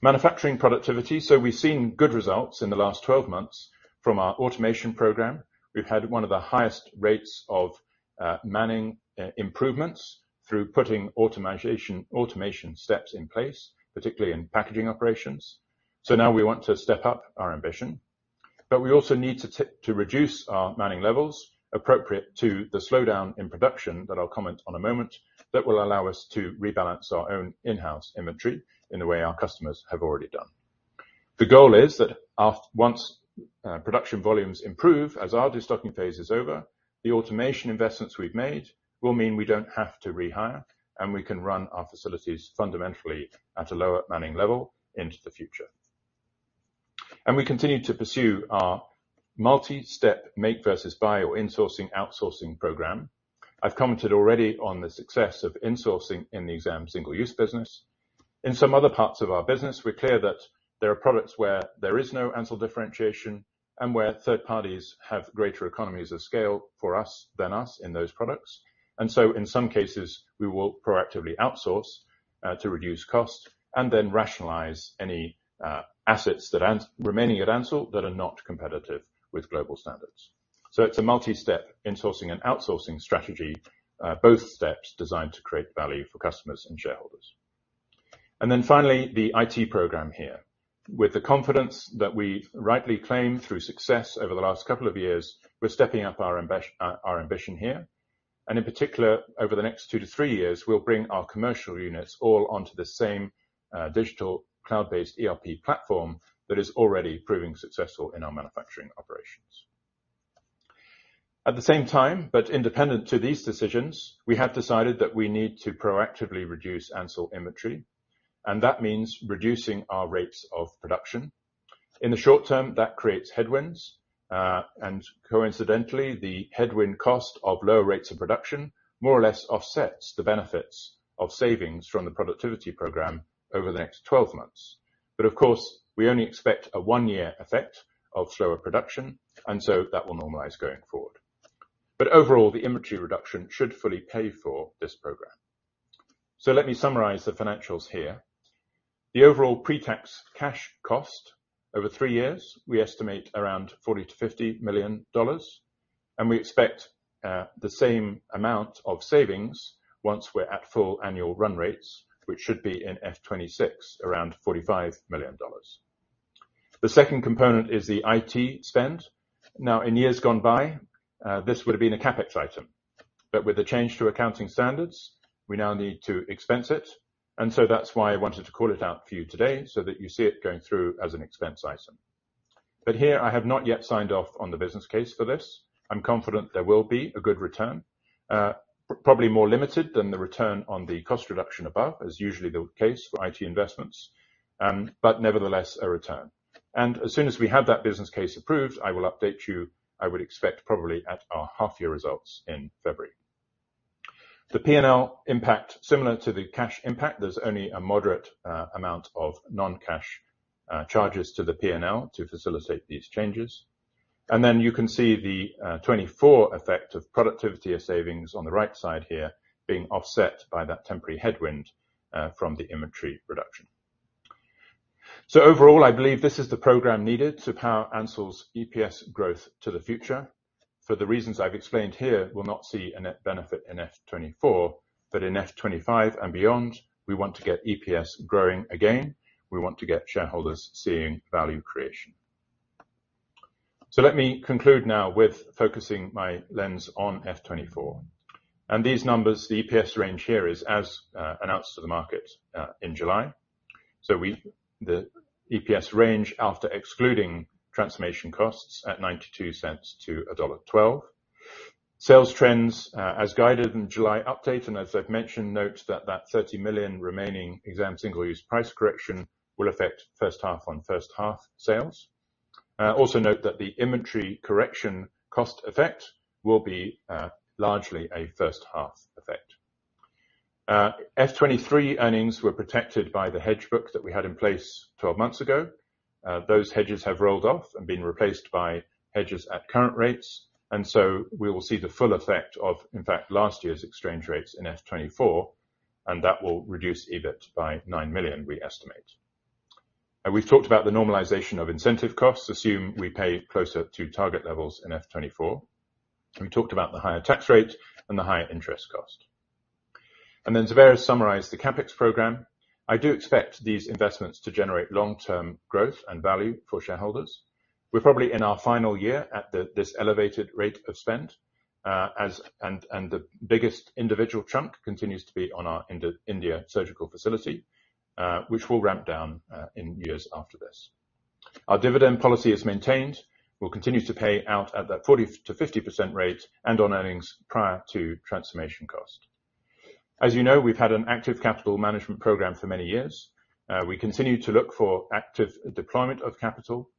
Manufacturing productivity. We've seen good results in the last 12 months from our automation program. We've had one of the highest rates of manning improvements through putting automation steps in place, particularly in packaging operations. Now we want to step up our ambition, but we also need to reduce our manning levels appropriate to the slowdown in production, that I'll comment on a moment, that will allow us to rebalance our own in-house inventory in the way our customers have already done. The goal is that our once production volumes improve, as our destocking phase is over, the automation investments we've made will mean we don't have to rehire, and we can run our facilities fundamentally at a lower manning level into the future. We continue to pursue our multi-step make versus buy or insourcing/outsourcing program. I've commented already on the success of insourcing in the exam single-use business. In some other parts of our business, we're clear that there are products where there is no Ansell differentiation and where third parties have greater economies of scale for us, than us in those products. In some cases, we will proactively outsource to reduce cost and then rationalize any assets that remaining at Ansell that are not competitive with global standards. It's a multi-step insourcing and outsourcing strategy, both steps designed to create value for customers and shareholders. Then finally, the IT program here. With the confidence that we rightly claim through success over the last couple of years, we're stepping up our ambition here, and in particular, over the next two to three years, we'll bring our commercial units all onto the same digital cloud-based ERP platform that is already proving successful in our manufacturing operations. At the same time, but independent to these decisions, we have decided that we need to proactively reduce Ansell inventory, and that means reducing our rates of production. In the short term, that creates headwinds, and coincidentally, the headwind cost of lower rates of production more or less offsets the benefits of savings from the productivity program over the next 12 months. Of course, we only expect a one-year effect of slower production, and so that will normalize going forward. But overall, the inventory reduction should fully pay for this program. Let me summarize the financials here. The overall pre-tax cash cost over three years, we estimate around $40 million-$50 million, and we expect the same amount of savings once we're at full annual run rates, which should be in FY 2026, around $45 million. The second component is the IT spend. Now, in years gone by, this would have been a CapEx item, but with the change to accounting standards, we now need to expense it, and so that's why I wanted to call it out for you today so that you see it going through as an expense item. Here, I have not yet signed off on the business case for this. I'm confident there will be a good return, probably more limited than the return on the cost reduction above, as usually the case for IT investments, but nevertheless, a return. As soon as we have that business case approved, I will update you, I would expect probably at our half-year results in February. The P&L impact, similar to the cash impact, there's only a moderate amount of non-cash charges to the P&L to facilitate these changes. You can see the 24 effect of productivity of savings on the right side here being offset by that temporary headwind from the inventory reduction. Overall, I believe this is the program needed to power Ansell's EPS growth to the future. For the reasons I've explained here, we'll not see a net benefit in FY 2024, but in FY 2025 and beyond, we want to get EPS growing again. We want to get shareholders seeing value creation. Let me conclude now with focusing my lens on FY 2024. These numbers, the EPS range here, is as announced to the market in July. The EPS range, after excluding transformation costs at $0.92-$1.12. Sales trends, as guided in July update, and as I've mentioned, note that that $30 million remaining exam single-use price correction will affect first half-on-first half sales. Also note that the inventory correction cost effect will be largely a first half effect. FY 2023 earnings were protected by the hedge book that we had in place 12 months ago. Those hedges have rolled off and been replaced by hedges at current rates, we will see the full effect of, in fact, last year's exchange rates in FY 2024, that will reduce EBIT by $9 million, we estimate. We've talked about the normalization of incentive costs, assume we pay closer to target levels in FY 2024. We talked about the higher tax rate and the higher interest cost. Zubair summarized the CapEx program. I do expect these investments to generate long-term growth and value for shareholders. We're probably in our final year at the-- this elevated rate of spend, the biggest individual chunk continues to be on our India surgical facility, which will ramp down in years after this. Our dividend policy is maintained. We'll continue to pay out at that 40%-50% rate and on earnings prior to transformation cost. As you know, we've had an active capital management program for many years. We continue to look for active deployment of capital,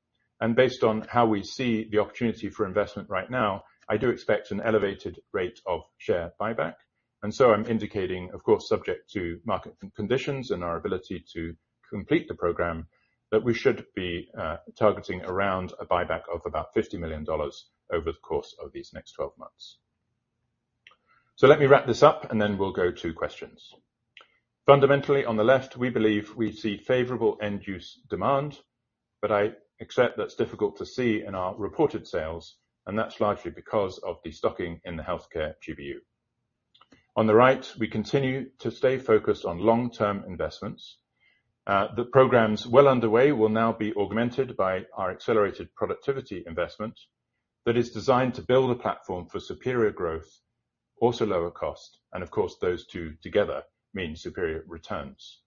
and based on how we see the opportunity for investment right now, I do expect an elevated rate of share buyback. So I'm indicating, of course, subject to market conditions and our ability to complete the program, that we should be targeting around a buyback of about $50 million over the course of these next 12 months. Let me wrap this up, and then we'll go to questions. Fundamentally, on the left, we believe we see favorable end-use demand, but I accept that's difficult to see in our reported sales, and that's largely because of the stocking in the healthcare GBU. On the right, we continue to stay focused on long-term investments. The programs well underway will now be augmented by our accelerated productivity investment that is designed to build a platform for superior growth, also lower cost, and of course, those two together mean superior returns.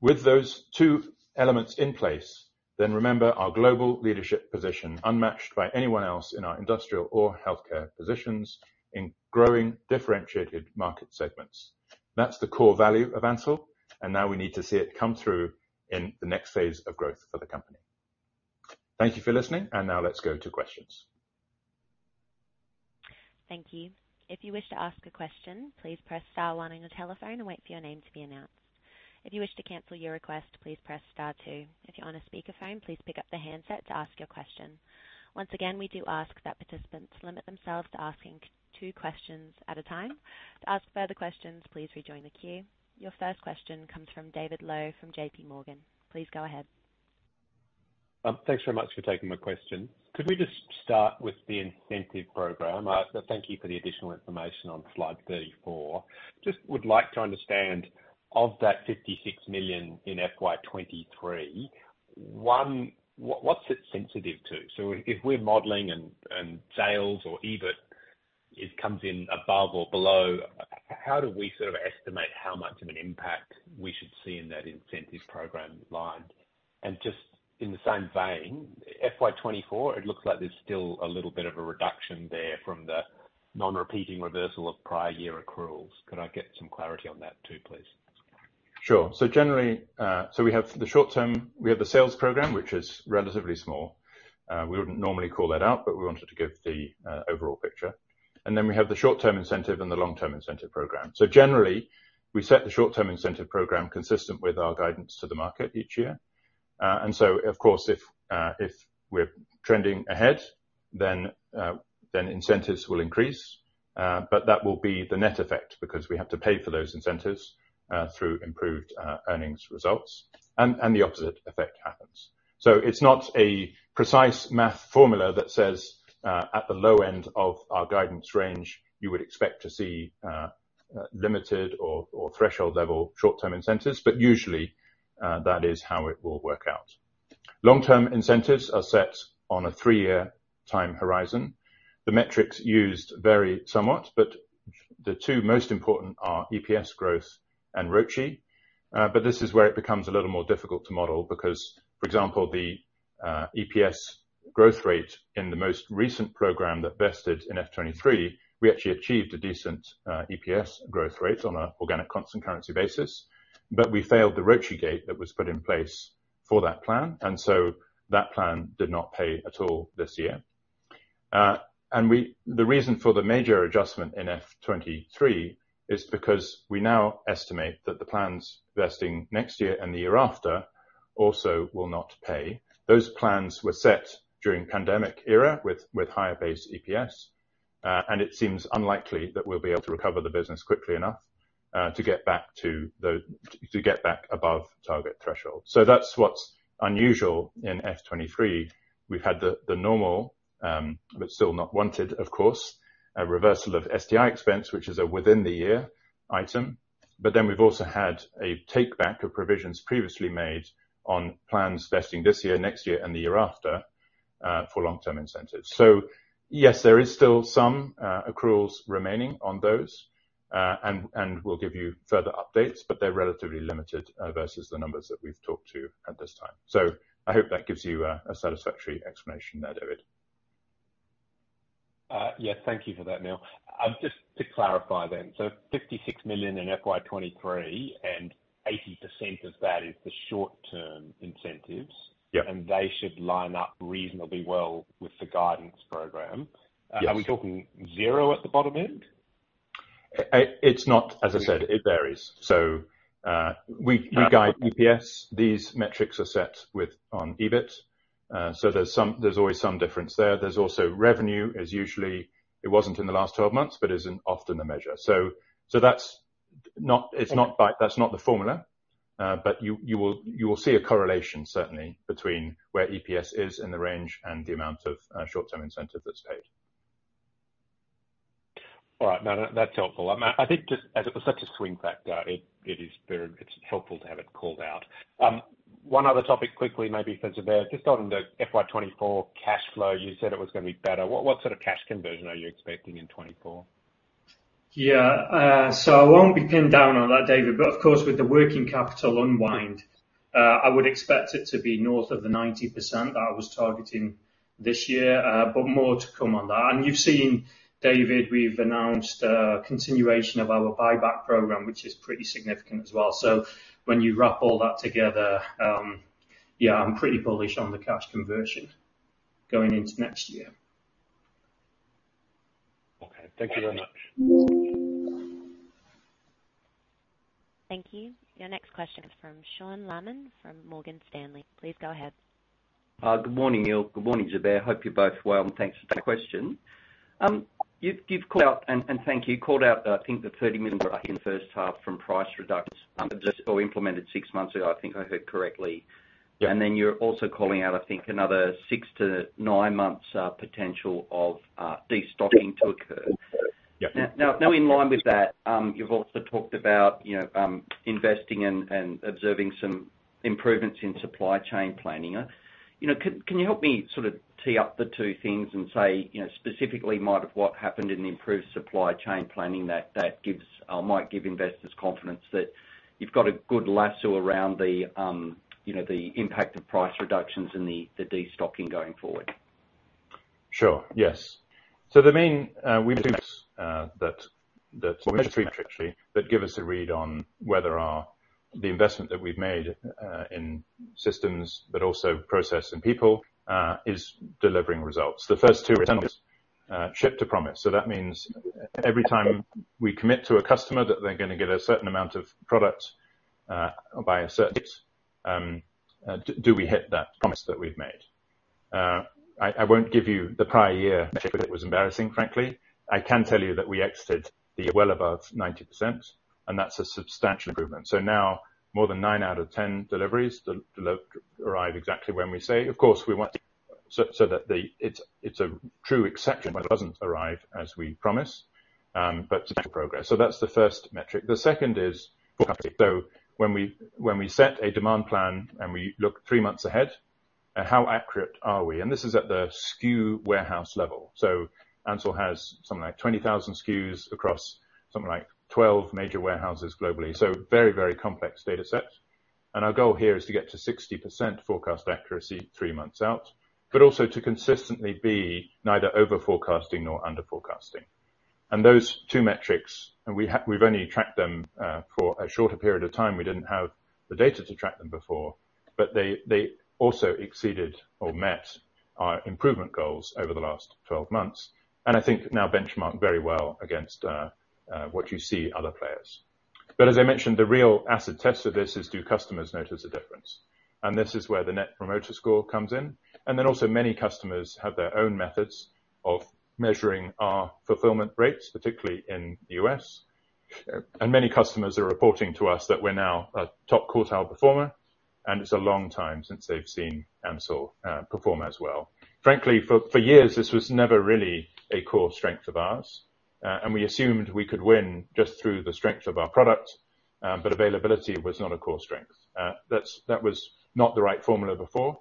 With those two elements in place, then remember our global leadership position, unmatched by anyone else in our industrial or healthcare positions, in growing differentiated market segments. That's the core value of Ansell, and now we need to see it come through in the next phase of growth for the company. Thank you for listening, and now let's go to questions. Thank you. If you wish to ask a question, please press star one on your telephone and wait for your name to be announced. If you wish to cancel your request, please press star two. If you're on a speakerphone, please pick up the handset to ask your question. Once again, we do ask that participants limit themselves to asking two questions at a time. To ask further questions, please rejoin the queue. Your first question comes from David Low from J.P. Morgan. Please go ahead. Thanks very much for taking my question. Could we just start with the incentive program? Thank you for the additional information on slide 34. Just would like to understand, of that $56 million in FY 2023, what's it sensitive to? If we're modeling and sales or EBIT, it comes in above or below, how do we sort of estimate how much of an impact we should see in that incentive program line? Just in the same vein, FY 2024, it looks like there's still a little bit of a reduction there from the non-repeating reversal of prior year accruals. Could I get some clarity on that, too, please? Sure. Generally, so we have the sales program, which is relatively small. We wouldn't normally call that out, but we wanted to give the overall picture. Then we have the short-term incentive and the long-term incentive program. Generally, we set the short-term incentive program consistent with our guidance to the market each year. Of course, if we're trending ahead, then incentives will increase, but that will be the net effect, because we have to pay for those incentives through improved earnings results, and the opposite effect happens. It's not a precise math formula that says, at the low end of our guidance range, you would expect to see limited or threshold level short-term incentives, but usually, that is how it will work out. Long-term incentives are set on a three-year time horizon. The metrics used vary somewhat, but the two most important are EPS growth and ROCE. This is where it becomes a little more difficult to model because, for example, the EPS growth rate in the most recent program that vested in FY 2023, we actually achieved a decent EPS growth rate on a organic, constant currency basis, but we failed the ROCE gate that was put in place for that plan, and so that plan did not pay at all this year. The reason for the major adjustment in FY 2023 is because we now estimate that the plans vesting next year and the year after also will not pay. Those plans were set during pandemic era with, with higher base EPS, and it seems unlikely that we'll be able to recover the business quickly enough to get back to the, to, to get back above target threshold. That's what's unusual in FY 2023. We've had the, the normal, but still not wanted, of course, a reversal of STI expense, which is a within the year item, but then we've also had a take back of provisions previously made on plans vesting this year, next year, and the year after for long-term incentives. Yes, there is still some accruals remaining on those, and, and we'll give you further updates, but they're relatively limited versus the numbers that we've talked to at this time. I hope that gives you a, a satisfactory explanation there, David. Yeah, thank you for that, Neil. Just to clarify then, so $56 million in FY 2023, and 80% of that is the short-term incentives? Yeah. They should line up reasonably well with the guidance program. Yes. Are we talking zero at the bottom end? It's not. As I said, it varies. We guide EPS. These metrics are set with, on EBIT. There's always some difference there. There's also revenue, as usually it wasn't in the last 12 months, but isn't often the measure. That's not, it's not by- that's not the formula, but you, you will, you will see a correlation, certainly, between where EPS is in the range and the amount of short-term incentive that's paid. All right. No, no, that's helpful. I think just as it was such a swing factor, it's helpful to have it called out. One other topic quickly, maybe for Zubair, just on the FY 2024 cash flow, you said it was gonna be better. What, what sort of cash conversion are you expecting in 2024? Yeah, so I won't be pinned down on that, David, but of course, with the working capital unwind, I would expect it to be north of the 90% that I was targeting this year, but more to come on that. You've seen, David, we've announced a continuation of our buyback program, which is pretty significant as well. When you wrap all that together, yeah, I'm pretty bullish on the cash conversion going into next year. Okay. Thank you very much. Thank you. Your next question is from Sean Laaman from Morgan Stanley. Please go ahead. Good morning, Neil. Good morning, Zubair. Hope you're both well, thanks for the question. You've, you've called out, and, and thank you, called out, I think the $30 million in the first half from price reductions, just or implemented six months ago, I think I heard correctly. Yeah. You're also calling out, I think, another six to nine months, potential of, destocking to occur. Yeah. Now, now, in line with that, you've also talked about, you know, investing and, and observing some improvements in supply chain planning. You know, can, can you help me sort of tee up the two things and say, you know, specifically might of what happened in the improved supply chain planning that, that gives, or might give investors confidence that you've got a good lasso around the, you know, the impact of price reductions and the, the destocking going forward? Sure, yes. The main, we, that, that actually, that give us a read on whether the investment that we've made in systems, but also process and people, is delivering results. The first two are ship to promise, so that means every time we commit to a customer that they're gonna get a certain amount of product by a certain date, do we hit that promise that we've made? I, I won't give you the prior year, because it was embarrassing, frankly. I can tell you that we exited the well above 90%, and that's a substantial improvement. Now, more than nine out of 10 deliveries arrive exactly when we say. Of course, we want so, so that the... It's, it's a true exception where it doesn't arrive as we promise, but it's progress. That's the first metric. The second is, when we set a demand plan, and we look three months ahead, how accurate are we? This is at the SKU warehouse level. Ansell has something like 20,000 SKUs across something like 12 major warehouses globally, so very, very complex data set. Our goal here is to get to 60% forecast accuracy three months out, but also to consistently be neither over-forecasting nor under-forecasting. Those two metrics, and we've only tracked them for a shorter period of time, we didn't have the data to track them before, but they, they also exceeded or met our improvement goals over the last 12 months. I think now benchmark very well against what you see other players. As I mentioned, the real acid test of this is, do customers notice a difference? This is where the Net Promoter Score comes in, and then also many customers have their own methods of measuring our fulfillment rates, particularly in the U.S. Many customers are reporting to us that we're now a top quartile performer, and it's a long time since they've seen Ansell perform as well. Frankly, for, for years, this was never really a core strength of ours, and we assumed we could win just through the strength of our product, but availability was not a core strength. That's, that was not the right formula before.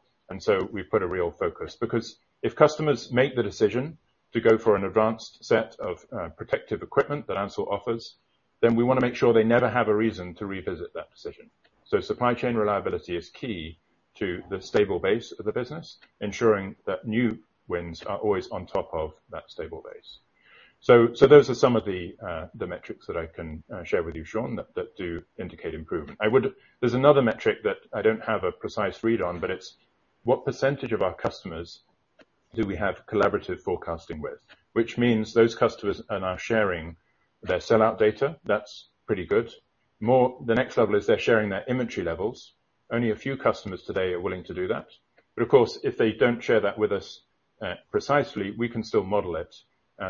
We put a real focus, because if customers make the decision to go for an advanced set of protective equipment that Ansell offers, then we want to make sure they never have a reason to revisit that decision. Supply chain reliability is key to the stable base of the business, ensuring that new wins are always on top of that stable base. Those are some of the metrics that I can share with you, Sean, that, that do indicate improvement. There's another metric that I don't have a precise read on, but it's what % of our customers do we have collaborative forecasting with? Which means those customers are now sharing their sellout data. That's pretty good. The next level is they're sharing their inventory levels. Only a few customers today are willing to do that, but of course, if they don't share that with us, precisely, we can still model it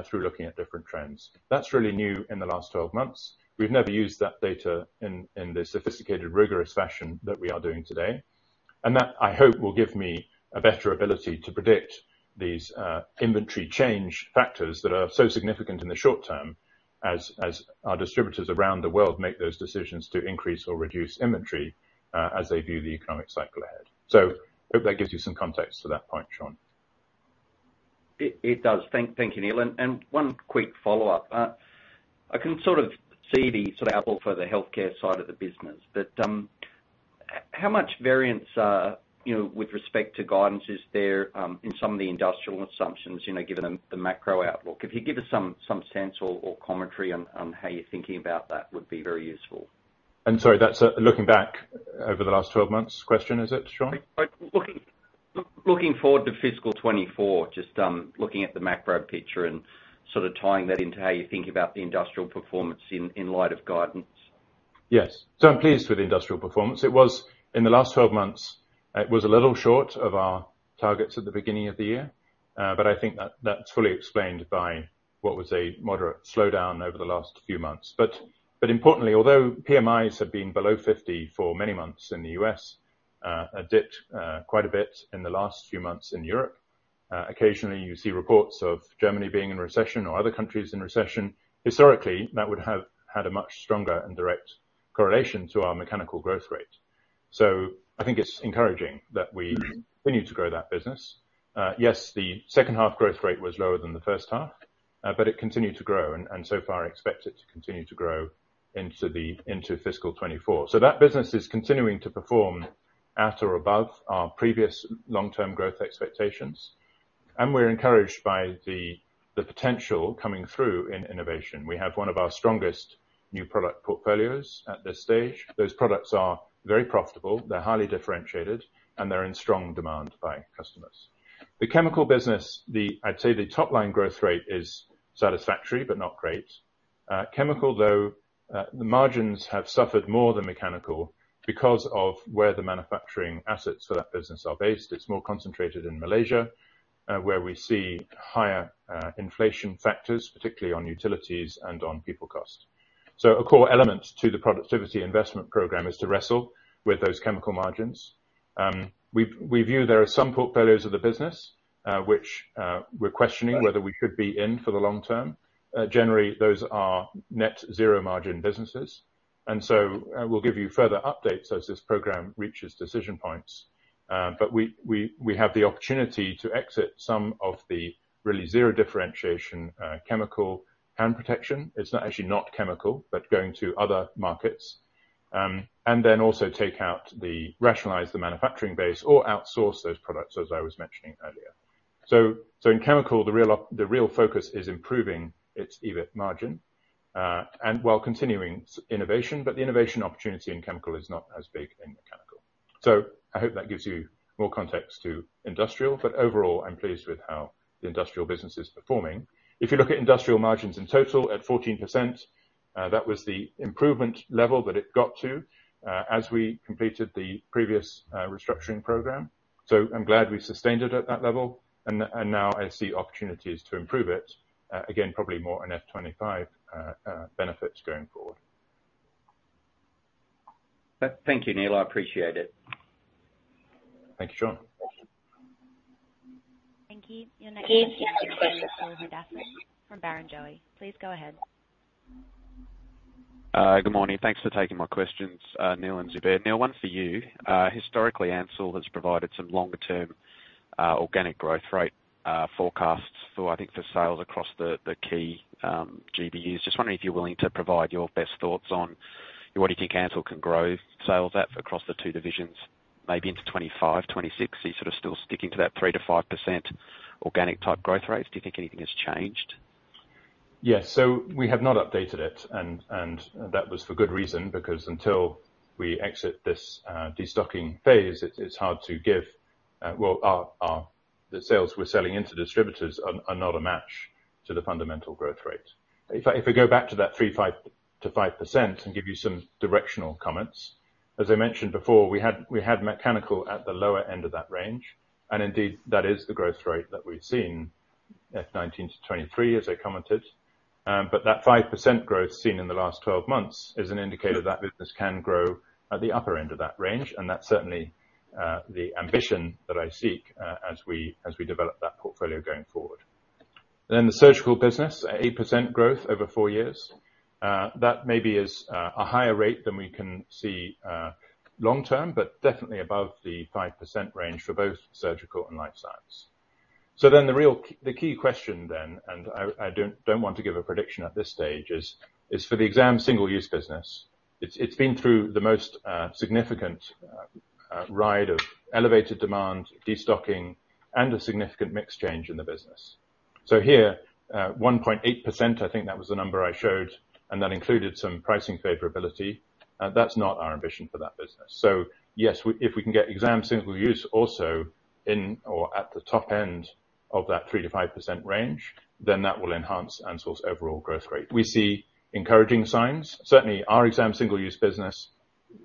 through looking at different trends. That's really new in the last 12 months. We've never used that data in, in the sophisticated, rigorous fashion that we are doing today, and that, I hope, will give me a better ability to predict these inventory change factors that are so significant in the short term, as, as our distributors around the world make those decisions to increase or reduce inventory, as they view the economic cycle ahead. Hope that gives you some context to that point, Sean. It, it does. Thank, thank you, Neil, and, and one quick follow-up. I can sort of see the sort of outlook for the healthcare side of the business, but, h-how much variance, you know, with respect to guidance is there, in some of the industrial assumptions, you know, given the, the macro outlook? If you give us some, some sense or, or commentary on, on how you're thinking about that would be very useful. sorry, that's, looking back over the last 12 months question, is it, Sean? Looking, looking forward to fiscal 2024, just, looking at the macro picture and sort of tying that into how you think about the industrial performance in, in light of guidance. Yes. I'm pleased with the industrial performance. It was, in the last 12 months, it was a little short of our targets at the beginning of the year, but I think that, that's fully explained by what was a moderate slowdown over the last few months. But importantly, although PMIs have been below 50 for many months in the U.S., a dip quite a bit in the last few months in Europe, occasionally you see reports of Germany being in recession or other countries in recession. Historically, that would have had a much stronger and direct correlation to our mechanical growth rate. I think it's encouraging that we continue to grow that business. Yes, the second half growth rate was lower than the first half, but it continued to grow, and so far, I expect it to continue to grow into the-- into fiscal 2024. That business is continuing to perform at or above our previous long-term growth expectations, and we're encouraged by the, the potential coming through in innovation. We have one of our strongest new product portfolios at this stage. Those products are very profitable, they're highly differentiated, and they're in strong demand by customers. The Chemical business, I'd say, the top line growth rate is satisfactory, but not great. Chemical, though, the margins have suffered more than Mechanical because of where the manufacturing assets for that business are based. It's more concentrated in Malaysia, where we see higher inflation factors, particularly on utilities and on people cost. A core element to the Productivity Investment Program is to wrestle with those chemical margins. We've-- we view there are some portfolios of the business, which, we're questioning whether we should be in for the long term. Generally, those are net zero margin businesses, we'll give you further updates as this program reaches decision points. But we, we, we have the opportunity to exit some of the really zero differentiation, chemical hand protection. It's not actually, not chemical, but going to other markets. Then also take out the rationalize the manufacturing base or outsource those products, as I was mentioning earlier. In chemical, the real op- the real focus is improving its EBIT margin, and while continuing s- innovation, but the innovation opportunity in chemical is not as big in mechanical. I hope that gives you more context to Industrial, but overall, I'm pleased with how the Industrial business is performing. If you look at Industrial margins in total, at 14%, that was the improvement level that it got to as we completed the previous restructuring program. I'm glad we sustained it at that level, and now I see opportunities to improve it again, probably more in FY 2025 benefits going forward. thank you, Neil. I appreciate it. Thank you, Sean. Thank you. Your next question is from Barrenjoey. Please go ahead. Good morning. Thanks for taking my questions, Neil and Zubair. Neil, one for you. Historically, Ansell has provided some longer-term organic growth rate forecasts for, I think, for sales across the key GBUs. Just wondering if you're willing to provide your best thoughts on what you think Ansell can grow sales at across the two divisions, maybe into 25, 26. Are you sort of still sticking to that 3%-5% organic type growth rates? Do you think anything has changed? Yes. we have not updated it, and, and that was for good reason, because until we exit this, destocking phase, it, it's hard to give. Well, our, our, the sales we're selling into distributors are, are not a match to the fundamental growth rate. In fact, if I go back to that 3%-5% and give you some directional comments, as I mentioned before, we had, we had mechanical at the lower end of that range, and indeed, that is the growth rate that we've seen FY 2019-2023, as I commented. that 5% growth seen in the last 12 months is an indicator that business can grow at the upper end of that range, and that's certainly, the ambition that I seek, as we, as we develop that portfolio going forward. The surgical business, at 8% growth over four years, that maybe is a higher rate than we can see long term, but definitely above the 5% range for both surgical and life science. The real, the key question then, and I, I don't, don't want to give a prediction at this stage, is, is for the exam single-use business. It's, it's been through the most significant ride of elevated demand, destocking, and a significant mix change in the business. Here, 1.8%, I think that was the number I showed, and that included some pricing favorability. That's not our ambition for that business. Yes, if we can get exam single-use also in or at the top end of that 3%-5% range, then that will enhance Ansell's overall growth rate. We see encouraging signs. Certainly, our exam single-use business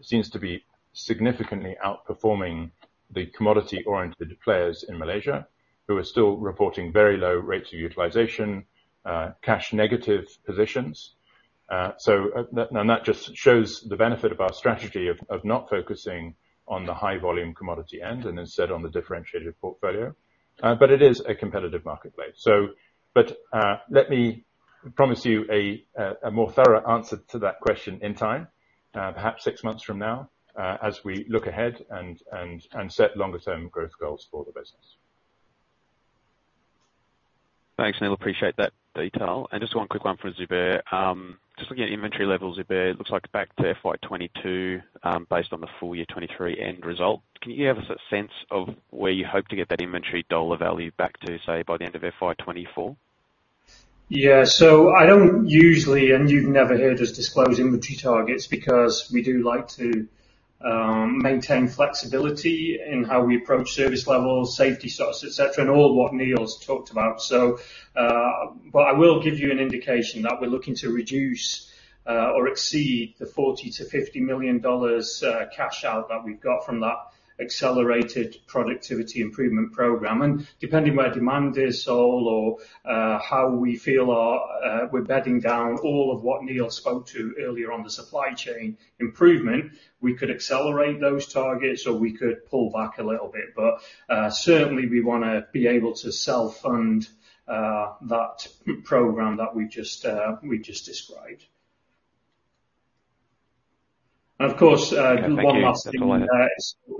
seems to be significantly outperforming the commodity-oriented players in Malaysia, who are still reporting very low rates of utilization, cash negative positions. That just shows the benefit of our strategy of, of not focusing on the high volume commodity end, and instead, on the differentiated portfolio. It is a competitive marketplace. Let me promise you a more thorough answer to that question in time, perhaps six months from now, as we look ahead and, and, and set longer-term growth goals for the business. Thanks, Neil. Appreciate that detail. Just one quick one for Zubair. Just looking at inventory levels, Zubair, looks like back to FY 2022, based on the full year 2023 end result. Can you give us a sense of where you hope to get that inventory dollar value back to, say, by the end of FY 2024? Yeah. I don't usually, and you've never heard us disclose inventory targets, because we do like to maintain flexibility in how we approach service levels, safety stocks, et cetera, and all of what Neil's talked about. I will give you an indication that we're looking to reduce or exceed the $40 million-$50 million cash out that we've got from that Accelerated Productivity Improvement Program. Depending where demand is, or, or how we feel our we're bedding down all of what Neil spoke to earlier on the supply chain improvement, we could accelerate those targets, or we could pull back a little bit. Certainly we wanna be able to self-fund that program that we just we just described. Of course, one last thing.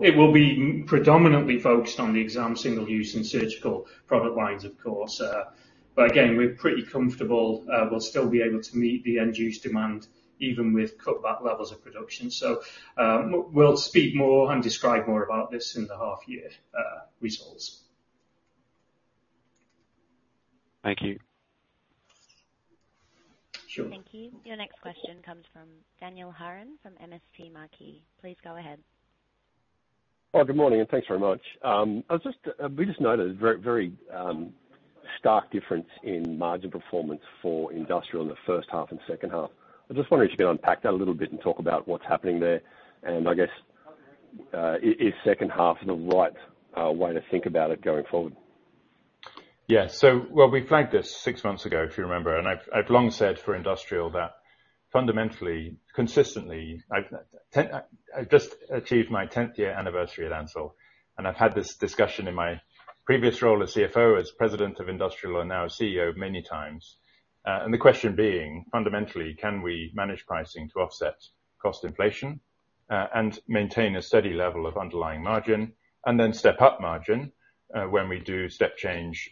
It will be predominantly focused on the exam, single use, and Surgical product lines, of course. Again, we're pretty comfortable, we'll still be able to meet the end-use demand, even with cutback levels of production. We'll speak more and describe more about this in the half year, results. Thank you. Sure. Thank you. Your next question comes from Daniel Hurren from MST Marquee. Please go ahead. Oh, good morning. Thanks very much. I was just, we just noted a very, very, stark difference in margin performance for Industrial in the first half and second half. I just wonder if you could unpack that a little bit and talk about what's happening there. I guess, i-is second half the right way to think about it going forward? Yeah, so well, we flagged this six months ago, if you remember, and I've, I've long said for industrial that fundamentally, consistently, I've just achieved my 10th year anniversary at Ansell, and I've had this discussion in my previous role as CFO, as president of industrial, and now as CEO many times. The question being, fundamentally, can we manage pricing to offset cost inflation, and maintain a steady level of underlying margin, and then step up margin, when we do step change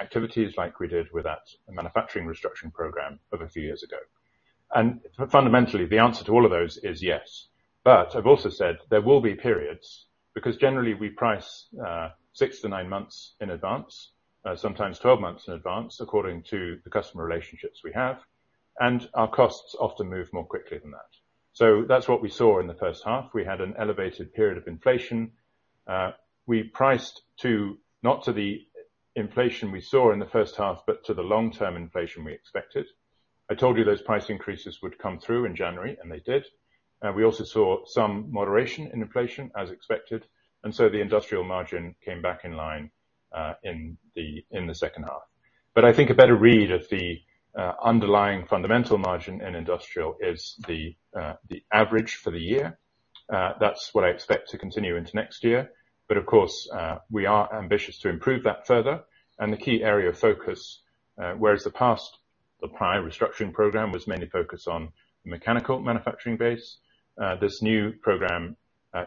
activities like we did with that manufacturing restructuring program of a few years ago? Fundamentally, the answer to all of those is yes. I've also said there will be periods, because generally we price, six to nine months in advance, sometimes 12 months in advance, according to the customer relationships we have, and our costs often move more quickly than that. That's what we saw in the first half. We had an elevated period of inflation. We priced to, not to the inflation we saw in the first half, but to the long-term inflation we expected. I told you those price increases would come through in January, and they did. We also saw some moderation in inflation, as expected, and so the industrial margin came back in line, in the second half. I think a better read of the underlying fundamental margin in industrial is the average for the year. That's what I expect to continue into next year. Of course, we are ambitious to improve that further. The key area of focus, whereas the past, the prior restructuring program was mainly focused on the mechanical manufacturing base, this new program,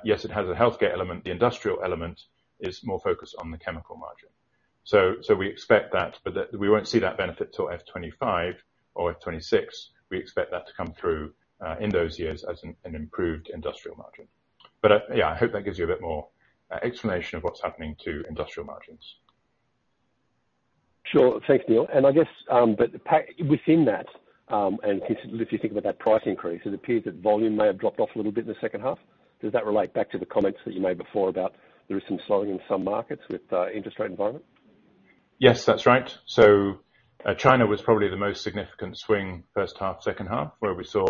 yes, it has a healthcare element. The industrial element is more focused on the chemical margin. We expect that, but we won't see that benefit till FY 2025 or FY 2026. We expect that to come through in those years as an, an improved industrial margin. Yeah, I hope that gives you a bit more explanation of what's happening to industrial margins. Sure. Thanks, Neil. I guess, but the within that, and if you think about that price increase, it appears that volume may have dropped off a little bit in the second half. Does that relate back to the comments that you made before about there is some slowing in some markets with interest rate environment? Yes, that's right. China was probably the most significant swing, first half, second half, where we saw.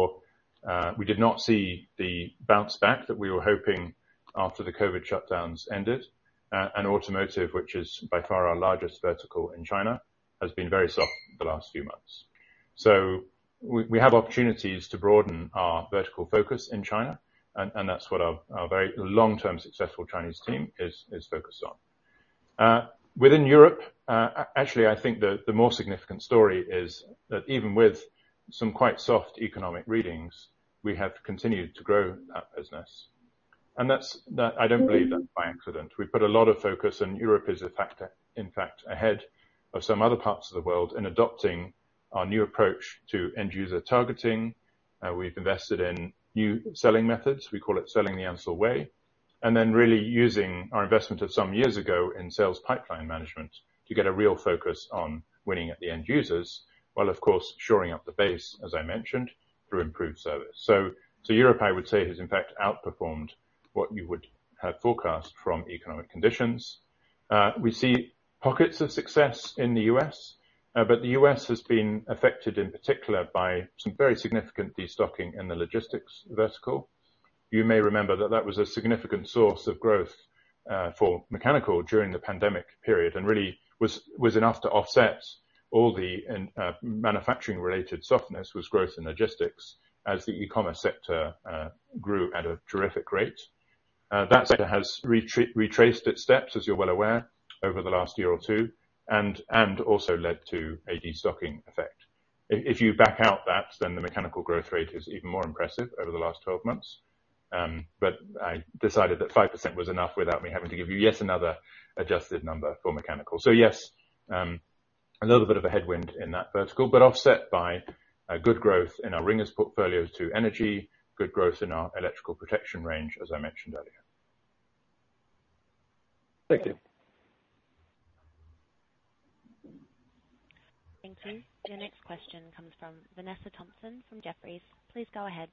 We did not see the COVID bounce back that we were hoping after the COVID shutdowns ended. Automotive, which is by far our largest vertical in China, has been very soft the last few months. We have opportunities to broaden our vertical focus in China, and that's what our very long-term, successful Chinese team is focused on. Within Europe, actually, I think the more significant story is that even with some quite soft economic readings, we have continued to grow that business. That- Mm-hmm. I don't believe that's by accident. We've put a lot of focus, and Europe is a factor, in fact, ahead of some other parts of the world in adopting our new approach to end user targeting. We've invested in new selling methods. We call it Selling the Ansell Way, and then really using our investment of some years ago in sales pipeline management, to get a real focus on winning at the end users, while of course, shoring up the base, as I mentioned, through improved service. Europe, I would say, has in fact outperformed what you would have forecast from economic conditions. We see pockets of success in the U.S., the U.S. has been affected, in particular, by some very significant destocking in the logistics vertical. You may remember that that was a significant source of growth for mechanical during the pandemic period, and really was, was enough to offset all the, in manufacturing-related softness, with growth in logistics, as the e-commerce sector grew at a terrific rate. That sector has retraced its steps, as you're well aware, over the last year or two, and, and also led to a destocking effect. If, if you back out that, then the mechanical growth rate is even more impressive over the last 12 months. I decided that 5% was enough without me having to give you yet another adjusted number for mechanical. Yes, a little bit of a headwind in that vertical, but offset by a good growth in our RINGERS portfolio to energy, good growth in our electrical protection range, as I mentioned earlier. Thank you. Thank you. Your next question comes from Vanessa Thomson, from Jefferies. Please go ahead.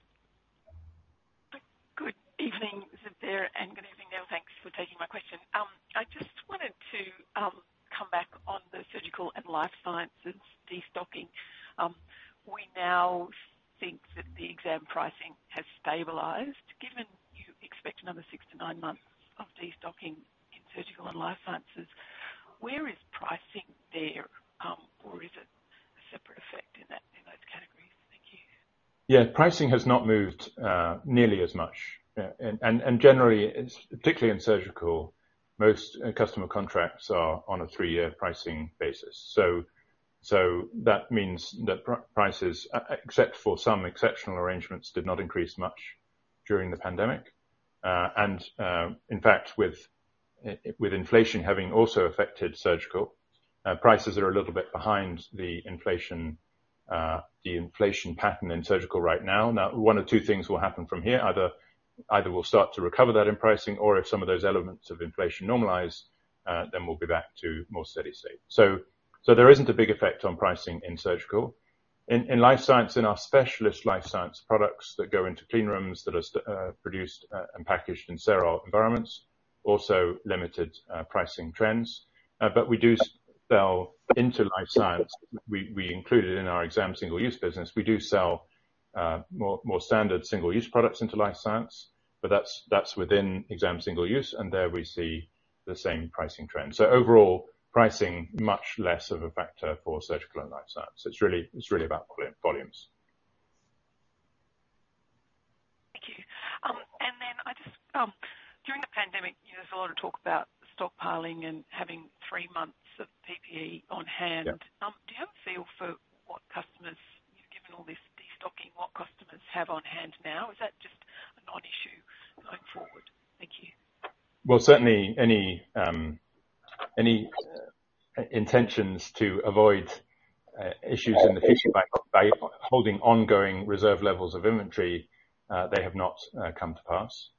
Good evening, Zubair, and good evening, Neil. Thanks for taking my question. I just wanted to come back on the Surgical and Life Sciences destocking. We now think that the Exam pricing has stabilized. Given you expect another six to nine months of destocking in Surgical and Life Sciences, where is pricing there? Is it a separate effect in that, in those categories? Thank you. Yeah. Pricing has not moved nearly as much. Generally, it's particularly in surgical, most customer contracts are on a three-year pricing basis, so that means that prices, except for some exceptional arrangements, did not increase much during the pandemic. In fact, with inflation having also affected surgical, prices are a little bit behind the inflation, the inflation pattern in surgical right now. One of two things will happen from here, either we'll start to recover that in pricing, or if some of those elements of inflation normalize, then we'll be back to more steady state. There isn't a big effect on pricing in surgical. in Life Science, in our specialist Life Science products that go into clean rooms, that are produced and packaged in sterile environments, also limited pricing trends. We do sell into Life Science. We, we include it in our Exam Single-Use business. We do sell more, more standard single-use products into Life Science, but that's, that's within Exam Single-Use, and there we see the same pricing trends. overall, pricing much less of a factor for Surgical and Life Science. It's really, it's really about volumes. Thank you. Then I just During the pandemic, you know, there's a lot of talk about stockpiling and having three months of PPE on hand. Yeah. Do you have a feel for what customers, given all this de-stocking, what customers have on hand now? Is that just a non-issue going forward? Thank you. Well, certainly any, any intentions to avoid issues in the future by, by holding ongoing reserve levels of inventory, they have not come to pass.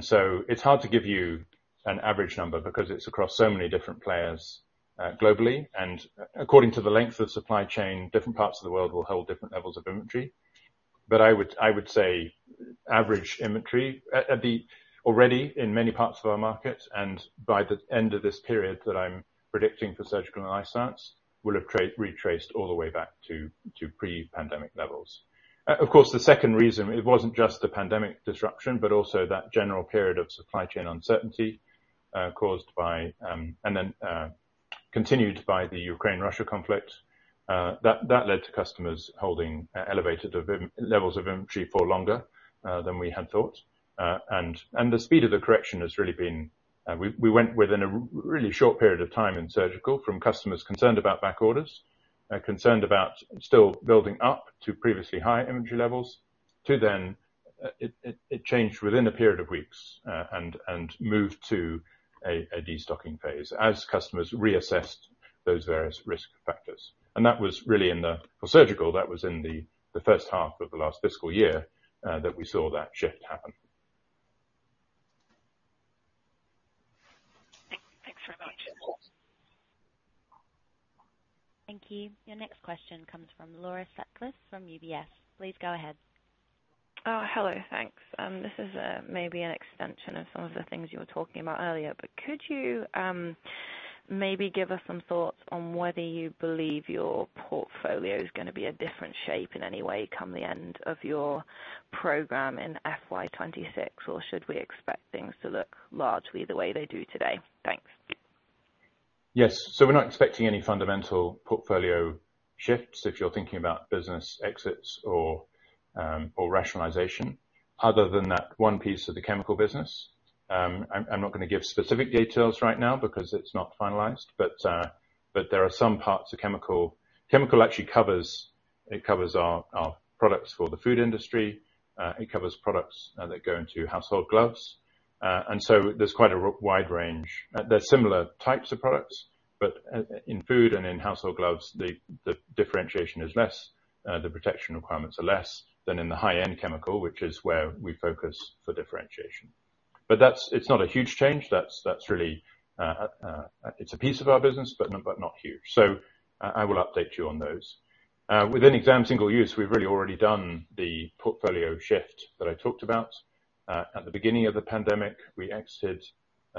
So it's hard to give you an average number, because it's across so many different players, globally, and according to the length of supply chain, different parts of the world will hold different levels of inventory. I would, I would say, average inventory, at the already in many parts of our market, and by the end of this period that I'm predicting for surgical and life science, will have retraced all the way back to, to pre-pandemic levels. Of course, the second reason, it wasn't just the pandemic disruption, but also that general period of supply chain uncertainty, caused by, and then, continued by the Ukraine-Russia conflict. That, that led to customers holding elevated levels of inventory for longer than we had thought. The speed of the correction has really been. We, we went within a really short period of time in surgical, from customers concerned about back orders, concerned about still building up to previously high inventory levels, to then it changed within a period of weeks and moved to a de-stocking phase, as customers reassessed those various risk factors. That was really For surgical, that was in the first half of the last fiscal year that we saw that shift happen. Thanks very much. Thank you. Your next question comes from Laura Sutcliffe from UBS. Please go ahead. Hello, thanks. This is, maybe an extension of some of the things you were talking about earlier, but could you, maybe give us some thoughts on whether you believe your portfolio is gonna be a different shape in any way, come the end of your program in FY 2026, or should we expect things to look largely the way they do today? Thanks. Yes. We're not expecting any fundamental portfolio shifts, if you're thinking about business exits or, or rationalization, other than that one piece of the chemical business. I'm, I'm not gonna give specific details right now, because it's not finalized, but, but there are some parts of chemical. Chemical actually covers, it covers our, our products for the food industry, it covers products that go into household gloves. There's quite a wide range. They're similar types of products, but, in food and in household gloves, the, the differentiation is less, the protection requirements are less than in the high-end chemical, which is where we focus for differentiation. But that's. It's not a huge change. That's, that's really, it's a piece of our business, but not, but not huge. I, I will update you on those. Within exam single-use, we've really already done the portfolio shift that I talked about. At the beginning of the pandemic, we exited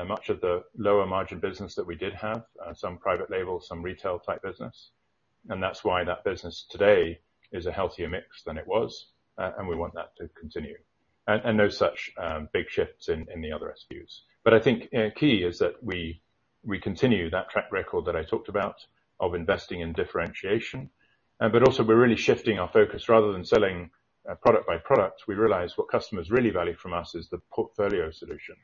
much of the lower margin business that we did have, some private label, some retail type business, and that's why that business today is a healthier mix than it was, and we want that to continue. And no such big shifts in, in the other SUs. I think key is that we, we continue that track record that I talked about, of investing in differentiation. Also we're really shifting our focus. Rather than selling product by product, we realize what customers really value from us is the portfolio solution.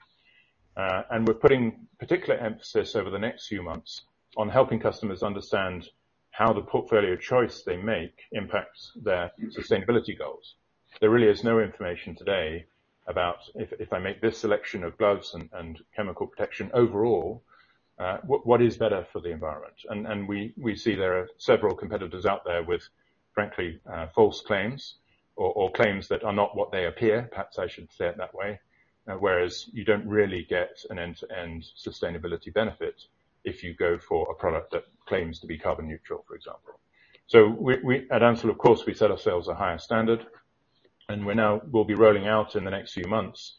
We're putting particular emphasis over the next few months, on helping customers understand how the portfolio choice they make impacts their sustainability goals. There really is no information today about if, if I make this selection of gloves and, and chemical protection overall, what, what is better for the environment? We, we see there are several competitors out there with, frankly, false claims or, or claims that are not what they appear. Perhaps I should say it that way. Whereas you don't really get an end-to-end sustainability benefit if you go for a product that claims to be carbon neutral, for example. At Ansell, of course, we set ourselves a higher standard, and we'll be rolling out in the next few months,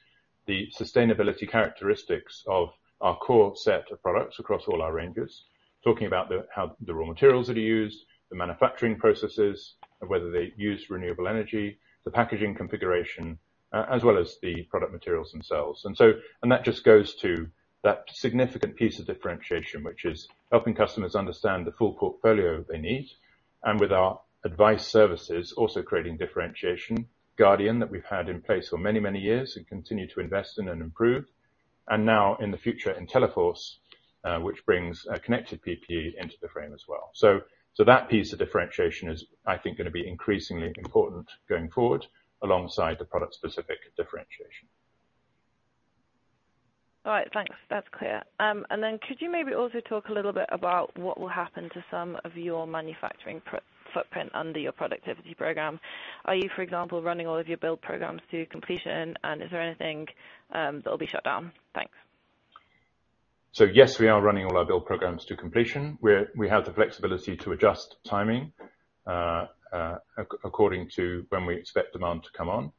the sustainability characteristics of our core set of products across all our ranges. Talking about the, how, the raw materials that are used, the manufacturing processes, and whether they use renewable energy, the packaging configuration, as well as the product materials themselves. That just goes to that significant piece of differentiation, which is helping customers understand the full portfolio they need, and with our advice services, also creating differentiation. AnsellGUARDIAN, that we've had in place for many, many years, and continue to invest in and improve. Now in the future, in Inteliforz, which brings a connected PPE into the frame as well. That piece of differentiation is, I think, gonna be increasingly important going forward, alongside the product specific differentiation. All right, thanks. That's clear. Then could you maybe also talk a little bit about what will happen to some of your manufacturing footprint under your productivity program? Are you, for example, running all of your build programs to completion, and is there anything that will be shut down? Thanks. Yes, we are running all our build programs to completion. We have the flexibility to adjust timing, according to when we expect demand to come on.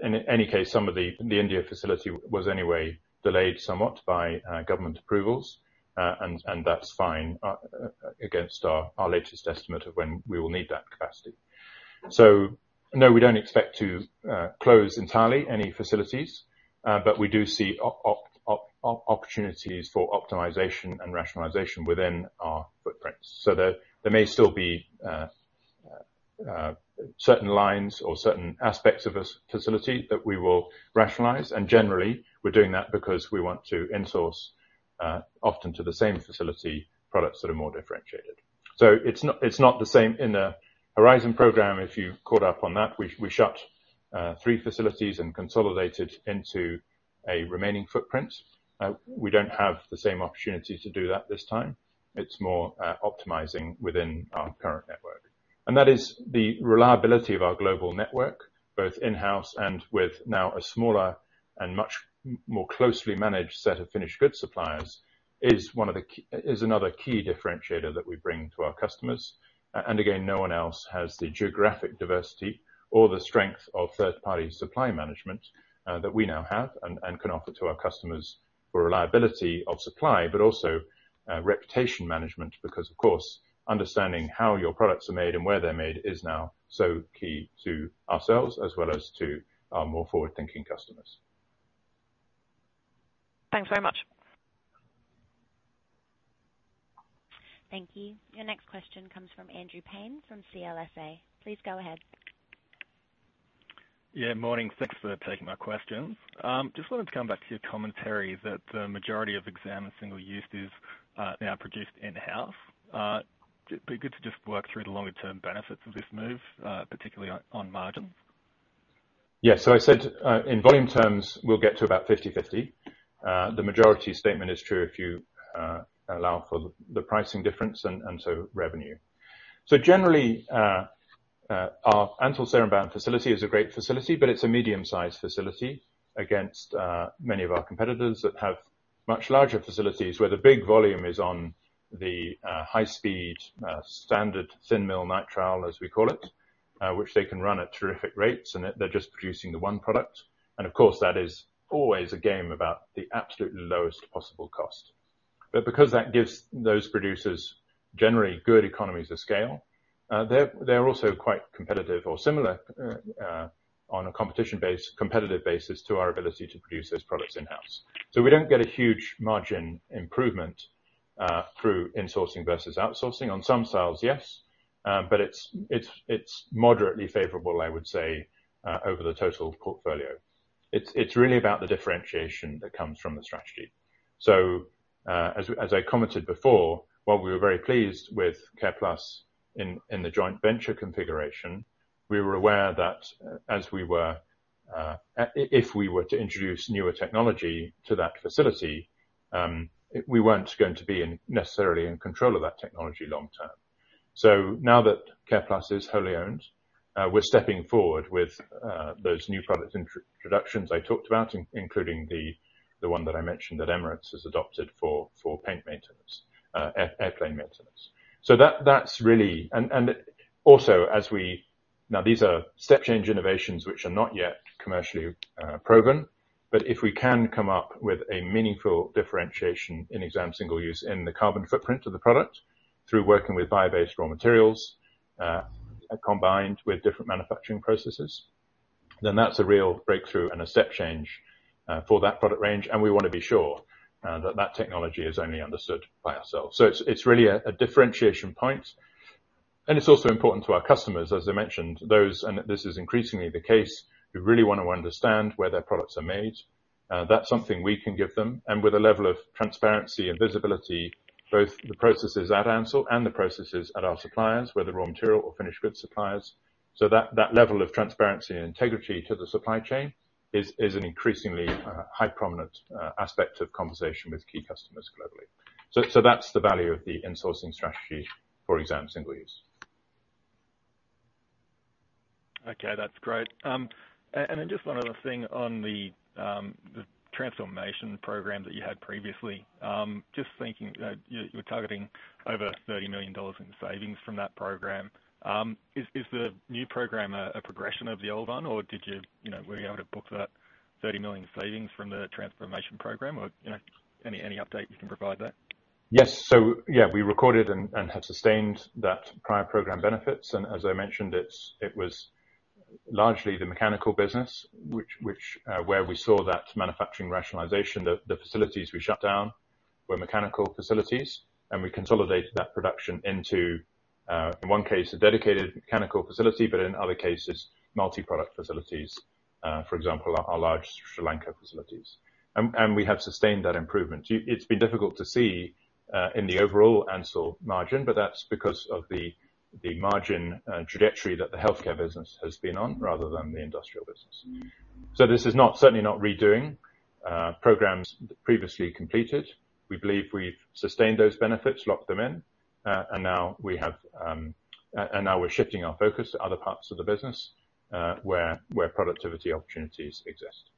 In any case, some of the, the India facility was anyway delayed somewhat by government approvals, and that's fine, against our, our latest estimate of when we will need that capacity. No, we don't expect to close entirely any facilities, but we do see opportunities for optimization and rationalization within our footprints. There, there may still be certain lines or certain aspects of this facility that we will rationalize, and generally, we're doing that because we want to in-source, often to the same facility, products that are more differentiated. It's not, it's not the same in the Project Horizon, if you've caught up on that. We, we shut three facilities and consolidated into a remaining footprint. We don't have the same opportunity to do that this time. It's more optimizing within our current network. That is the reliability of our global network, both in-house and with now a smaller and much more closely managed set of finished goods suppliers, is another key differentiator that we bring to our customers. Again, no one else has the geographic diversity or the strength of third-party supply management, that we now have, and, and can offer to our customers for reliability of supply, but also, reputation management, because, of course, understanding how your products are made and where they're made, is now so key to ourselves, as well as to our more forward-thinking customers. Thanks very much. Thank you. Your next question comes from Andrew Paine, from CLSA. Please go ahead. Yeah, morning. Thanks for taking my questions. Just wanted to come back to your commentary that the majority of exam and single-use is now produced in-house. Be good to just work through the longer term benefits of this move, particularly on, on margin. Yeah. I said, in volume terms, we'll get to about 50/50. The majority statement is true if you allow for the pricing difference, and so revenue. Generally, our Ansell Seremban facility is a great facility, but it's a medium-sized facility against many of our competitors that have much larger facilities, where the big volume is on the high speed, standard Thin mill nitrile, as we call it, which they can run at terrific rates, and they're just producing the one product. Of course, that is always a game about the absolute lowest possible cost. Because that gives those producers generally good economies of scale, they're also quite competitive or similar on a competition base, competitive basis, to our ability to produce those products in-house. We don't get a huge margin improvement through insourcing versus outsourcing. On some sales, yes, but it's, it's, it's moderately favorable, I would say, over the total portfolio. It's, it's really about the differentiation that comes from the strategy. As, as I commented before, while we were very pleased with Careplus in, in the joint venture configuration, we were aware that as we were, if we were to introduce newer technology to that facility, we weren't going to be in, necessarily in control of that technology long term. Now that Careplus is wholly owned, we're stepping forward with those new product introductions I talked about, including the, the one that I mentioned, that Emirates has adopted for, for paint maintenance, airplane maintenance. That, that's really... Also, now, these are step change innovations, which are not yet commercially proven, but if we can come up with a meaningful differentiation in exam single use in the carbon footprint of the product, through working with bio-based raw materials, combined with different manufacturing processes, then that's a real breakthrough and a step change for that product range, and we wanna be sure that that technology is only understood by ourselves. It's, it's really a differentiation point, and it's also important to our customers, as I mentioned, and this is increasingly the case, we really want to understand where their products are made. That's something we can give them, with a level of transparency and visibility, both the processes at Ansell and the processes at our suppliers, whether raw material or finished goods suppliers, so that that level of transparency and integrity to the supply chain is an increasingly high prominent aspect of conversation with key customers globally. That's the value of the insourcing strategy for exam single use. Okay, that's great. Just one other thing on the transformation program that you had previously. Just thinking, you, you're targeting over $30 million in savings from that program. Is, is the new program a, a progression of the old one, or did you, you know, were you able to book that $30 million savings from the transformation program? You know, any, any update you can provide there? Yes. Yeah, we recorded and have sustained that prior program benefits. As I mentioned, it was largely the mechanical business which where we saw that manufacturing rationalization, the facilities we shut down were mechanical facilities, and we consolidated that production into in one case, a dedicated mechanical facility, but in other cases, multi-product facilities, for example, our large Sri Lanka facilities. We have sustained that improvement. It's been difficult to see in the overall Ansell margin, but that's because of the margin trajectory that the healthcare business has been on, rather than the industrial business. This is not, certainly not redoing programs previously completed. We believe we've sustained those benefits, locked them in, and now we're shifting our focus to other parts of the business, where productivity opportunities exist.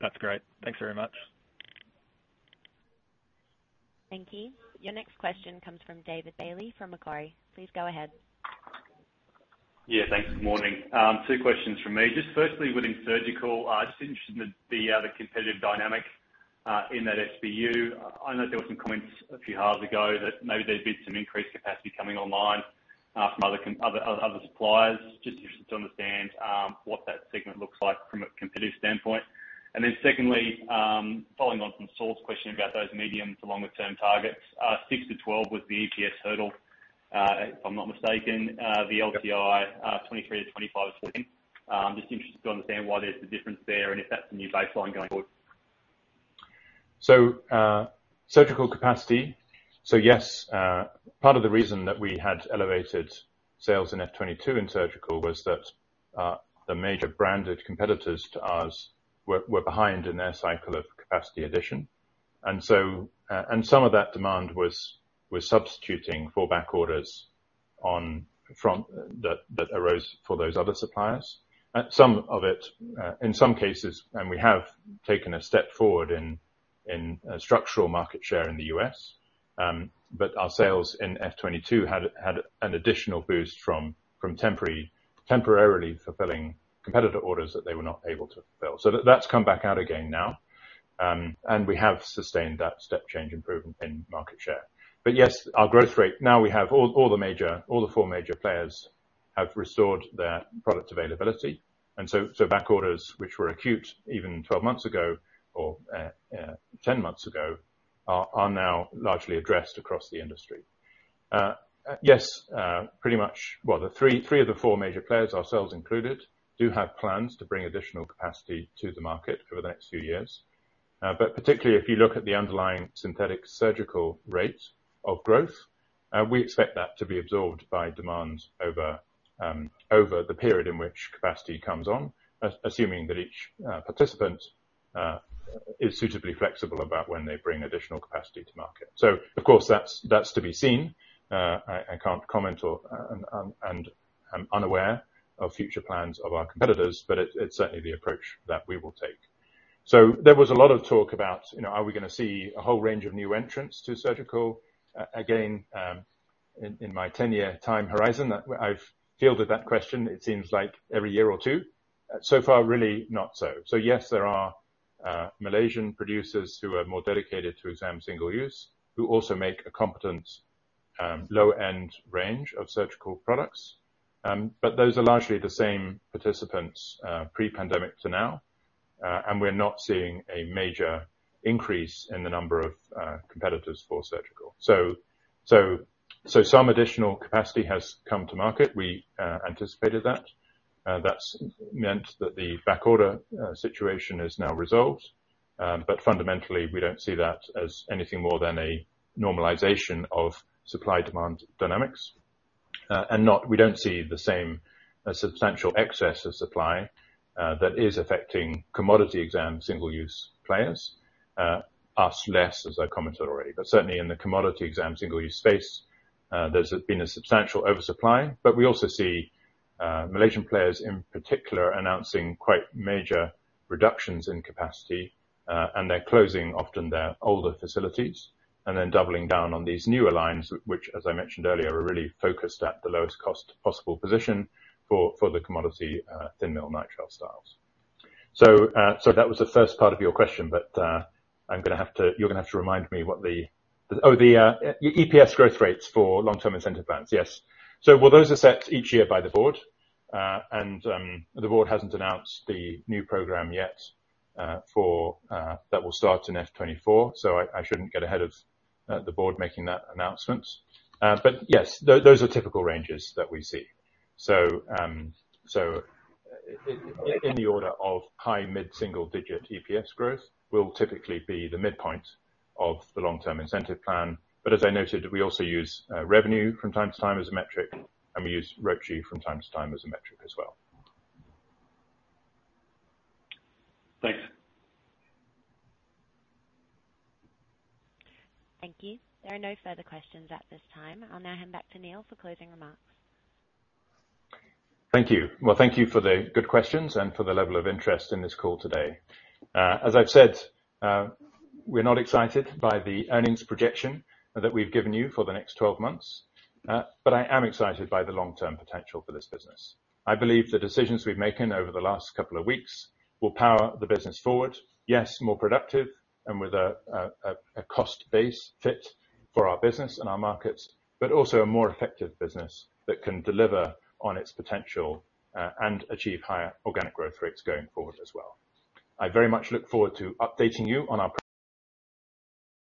That's great. Thanks very much. Thank you. Your next question comes from David Bailey from Macquarie. Please go ahead. Yeah, thanks. Good morning. Two questions from me. Just firstly, within surgical, just interested in the competitive dynamic in that SBU. I know there were some comments a few halves ago that maybe there's been some increased capacity coming online from other suppliers. Just interested to understand what that segment looks like from a competitive standpoint. Then secondly, following on from Saul's question about those medium to longer term targets, 6-12 was the EPS hurdle, if I'm not mistaken. The LTI, 2023-2025 was 14. I'm just interested to understand why there's a difference there, and if that's the new baseline going forward? Surgical capacity. Yes, part of the reason that we had elevated sales in FY 2022 in surgical, was that the major branded competitors to ours were, were behind in their cycle of capacity addition. Some of that demand was, was substituting for back orders on, from, that arose for those other suppliers. Some of it, in some cases, and we have taken a step forward in, in structural market share in the U.S., but our sales in FY 2022 had, had an additional boost from, from temporarily fulfilling competitor orders that they were not able to fulfill. That's come back out again now, and we have sustained that step change improvement in market share. Yes, our growth rate, now we have all the major all the four major players have restored their product availability, so back orders, which were acute even 12 months ago, or 10 months ago, are now largely addressed across the industry. Yes, pretty much. Well, the three of the four major players, ourselves included, do have plans to bring additional capacity to the market over the next few years. Particularly if you look at the underlying synthetic surgical rate of growth, we expect that to be absorbed by demand over over the period in which capacity comes on, assuming that each participant is suitably flexible about when they bring additional capacity to market. Of course, that's to be seen. I, I can't comment or, and I'm unaware of future plans of our competitors, but it, it's certainly the approach that we will take. There was a lot of talk about, you know, are we gonna see a whole range of new entrants to surgical? Again, in, in my 10-year time horizon, that I've fielded that question, it seems like every year or two. So far, really not so. Yes, there are Malaysian producers who are more dedicated to exam single use, who also make a competent low-end range of surgical products. Those are largely the same participants, pre-pandemic to now, and we're not seeing a major increase in the number of competitors for surgical. Some additional capacity has come to market. We anticipated that. That's meant that the back order situation is now resolved, but fundamentally, we don't see that as anything more than a normalization of supply-demand dynamics. Not-- We don't see the same substantial excess of supply that is affecting commodity Exam/SU players. Us less, as I commented already, but certainly in the commodity Exam/SU space, there's been a substantial oversupply. We also see Malaysian players in particular, announcing quite major reductions in capacity, and they're closing often their older facilities, and then doubling down on these newer lines, which, as I mentioned earlier, are really focused at the lowest cost possible position for, for the commodity, Thin mill nitrile styles. That was the first part of your question, but I'm gonna have to-- you're gonna have to remind me what the... The EPS growth rates for long-term incentive plans. Yes. Well, those are set each year by the board. The board hasn't announced the new program yet for that will start in FY 2024, so I shouldn't get ahead of the board making that announcement. Yes, those are typical ranges that we see. In the order of high mid-single digit EPS growth, will typically be the midpoint of the long-term incentive plan. As I noted, we also use revenue from time to time as a metric, and we use ROCE from time to time as a metric as well. Thanks. Thank you. There are no further questions at this time. I'll now hand back to Neil for closing remarks. Thank you. Well, thank you for the good questions and for the level of interest in this call today. as I've said, we're not excited by the earnings projection that we've given you for the next 12 months, but I am excited by the long-term potential for this business. I believe the decisions we've making over the last couple of weeks will power the business forward. Yes, more productive, and with a cost base fit for our business and our markets, but also a more effective business that can deliver on its potential and achieve higher organic growth rates going forward as well. I very much look forward to updating you on our pro-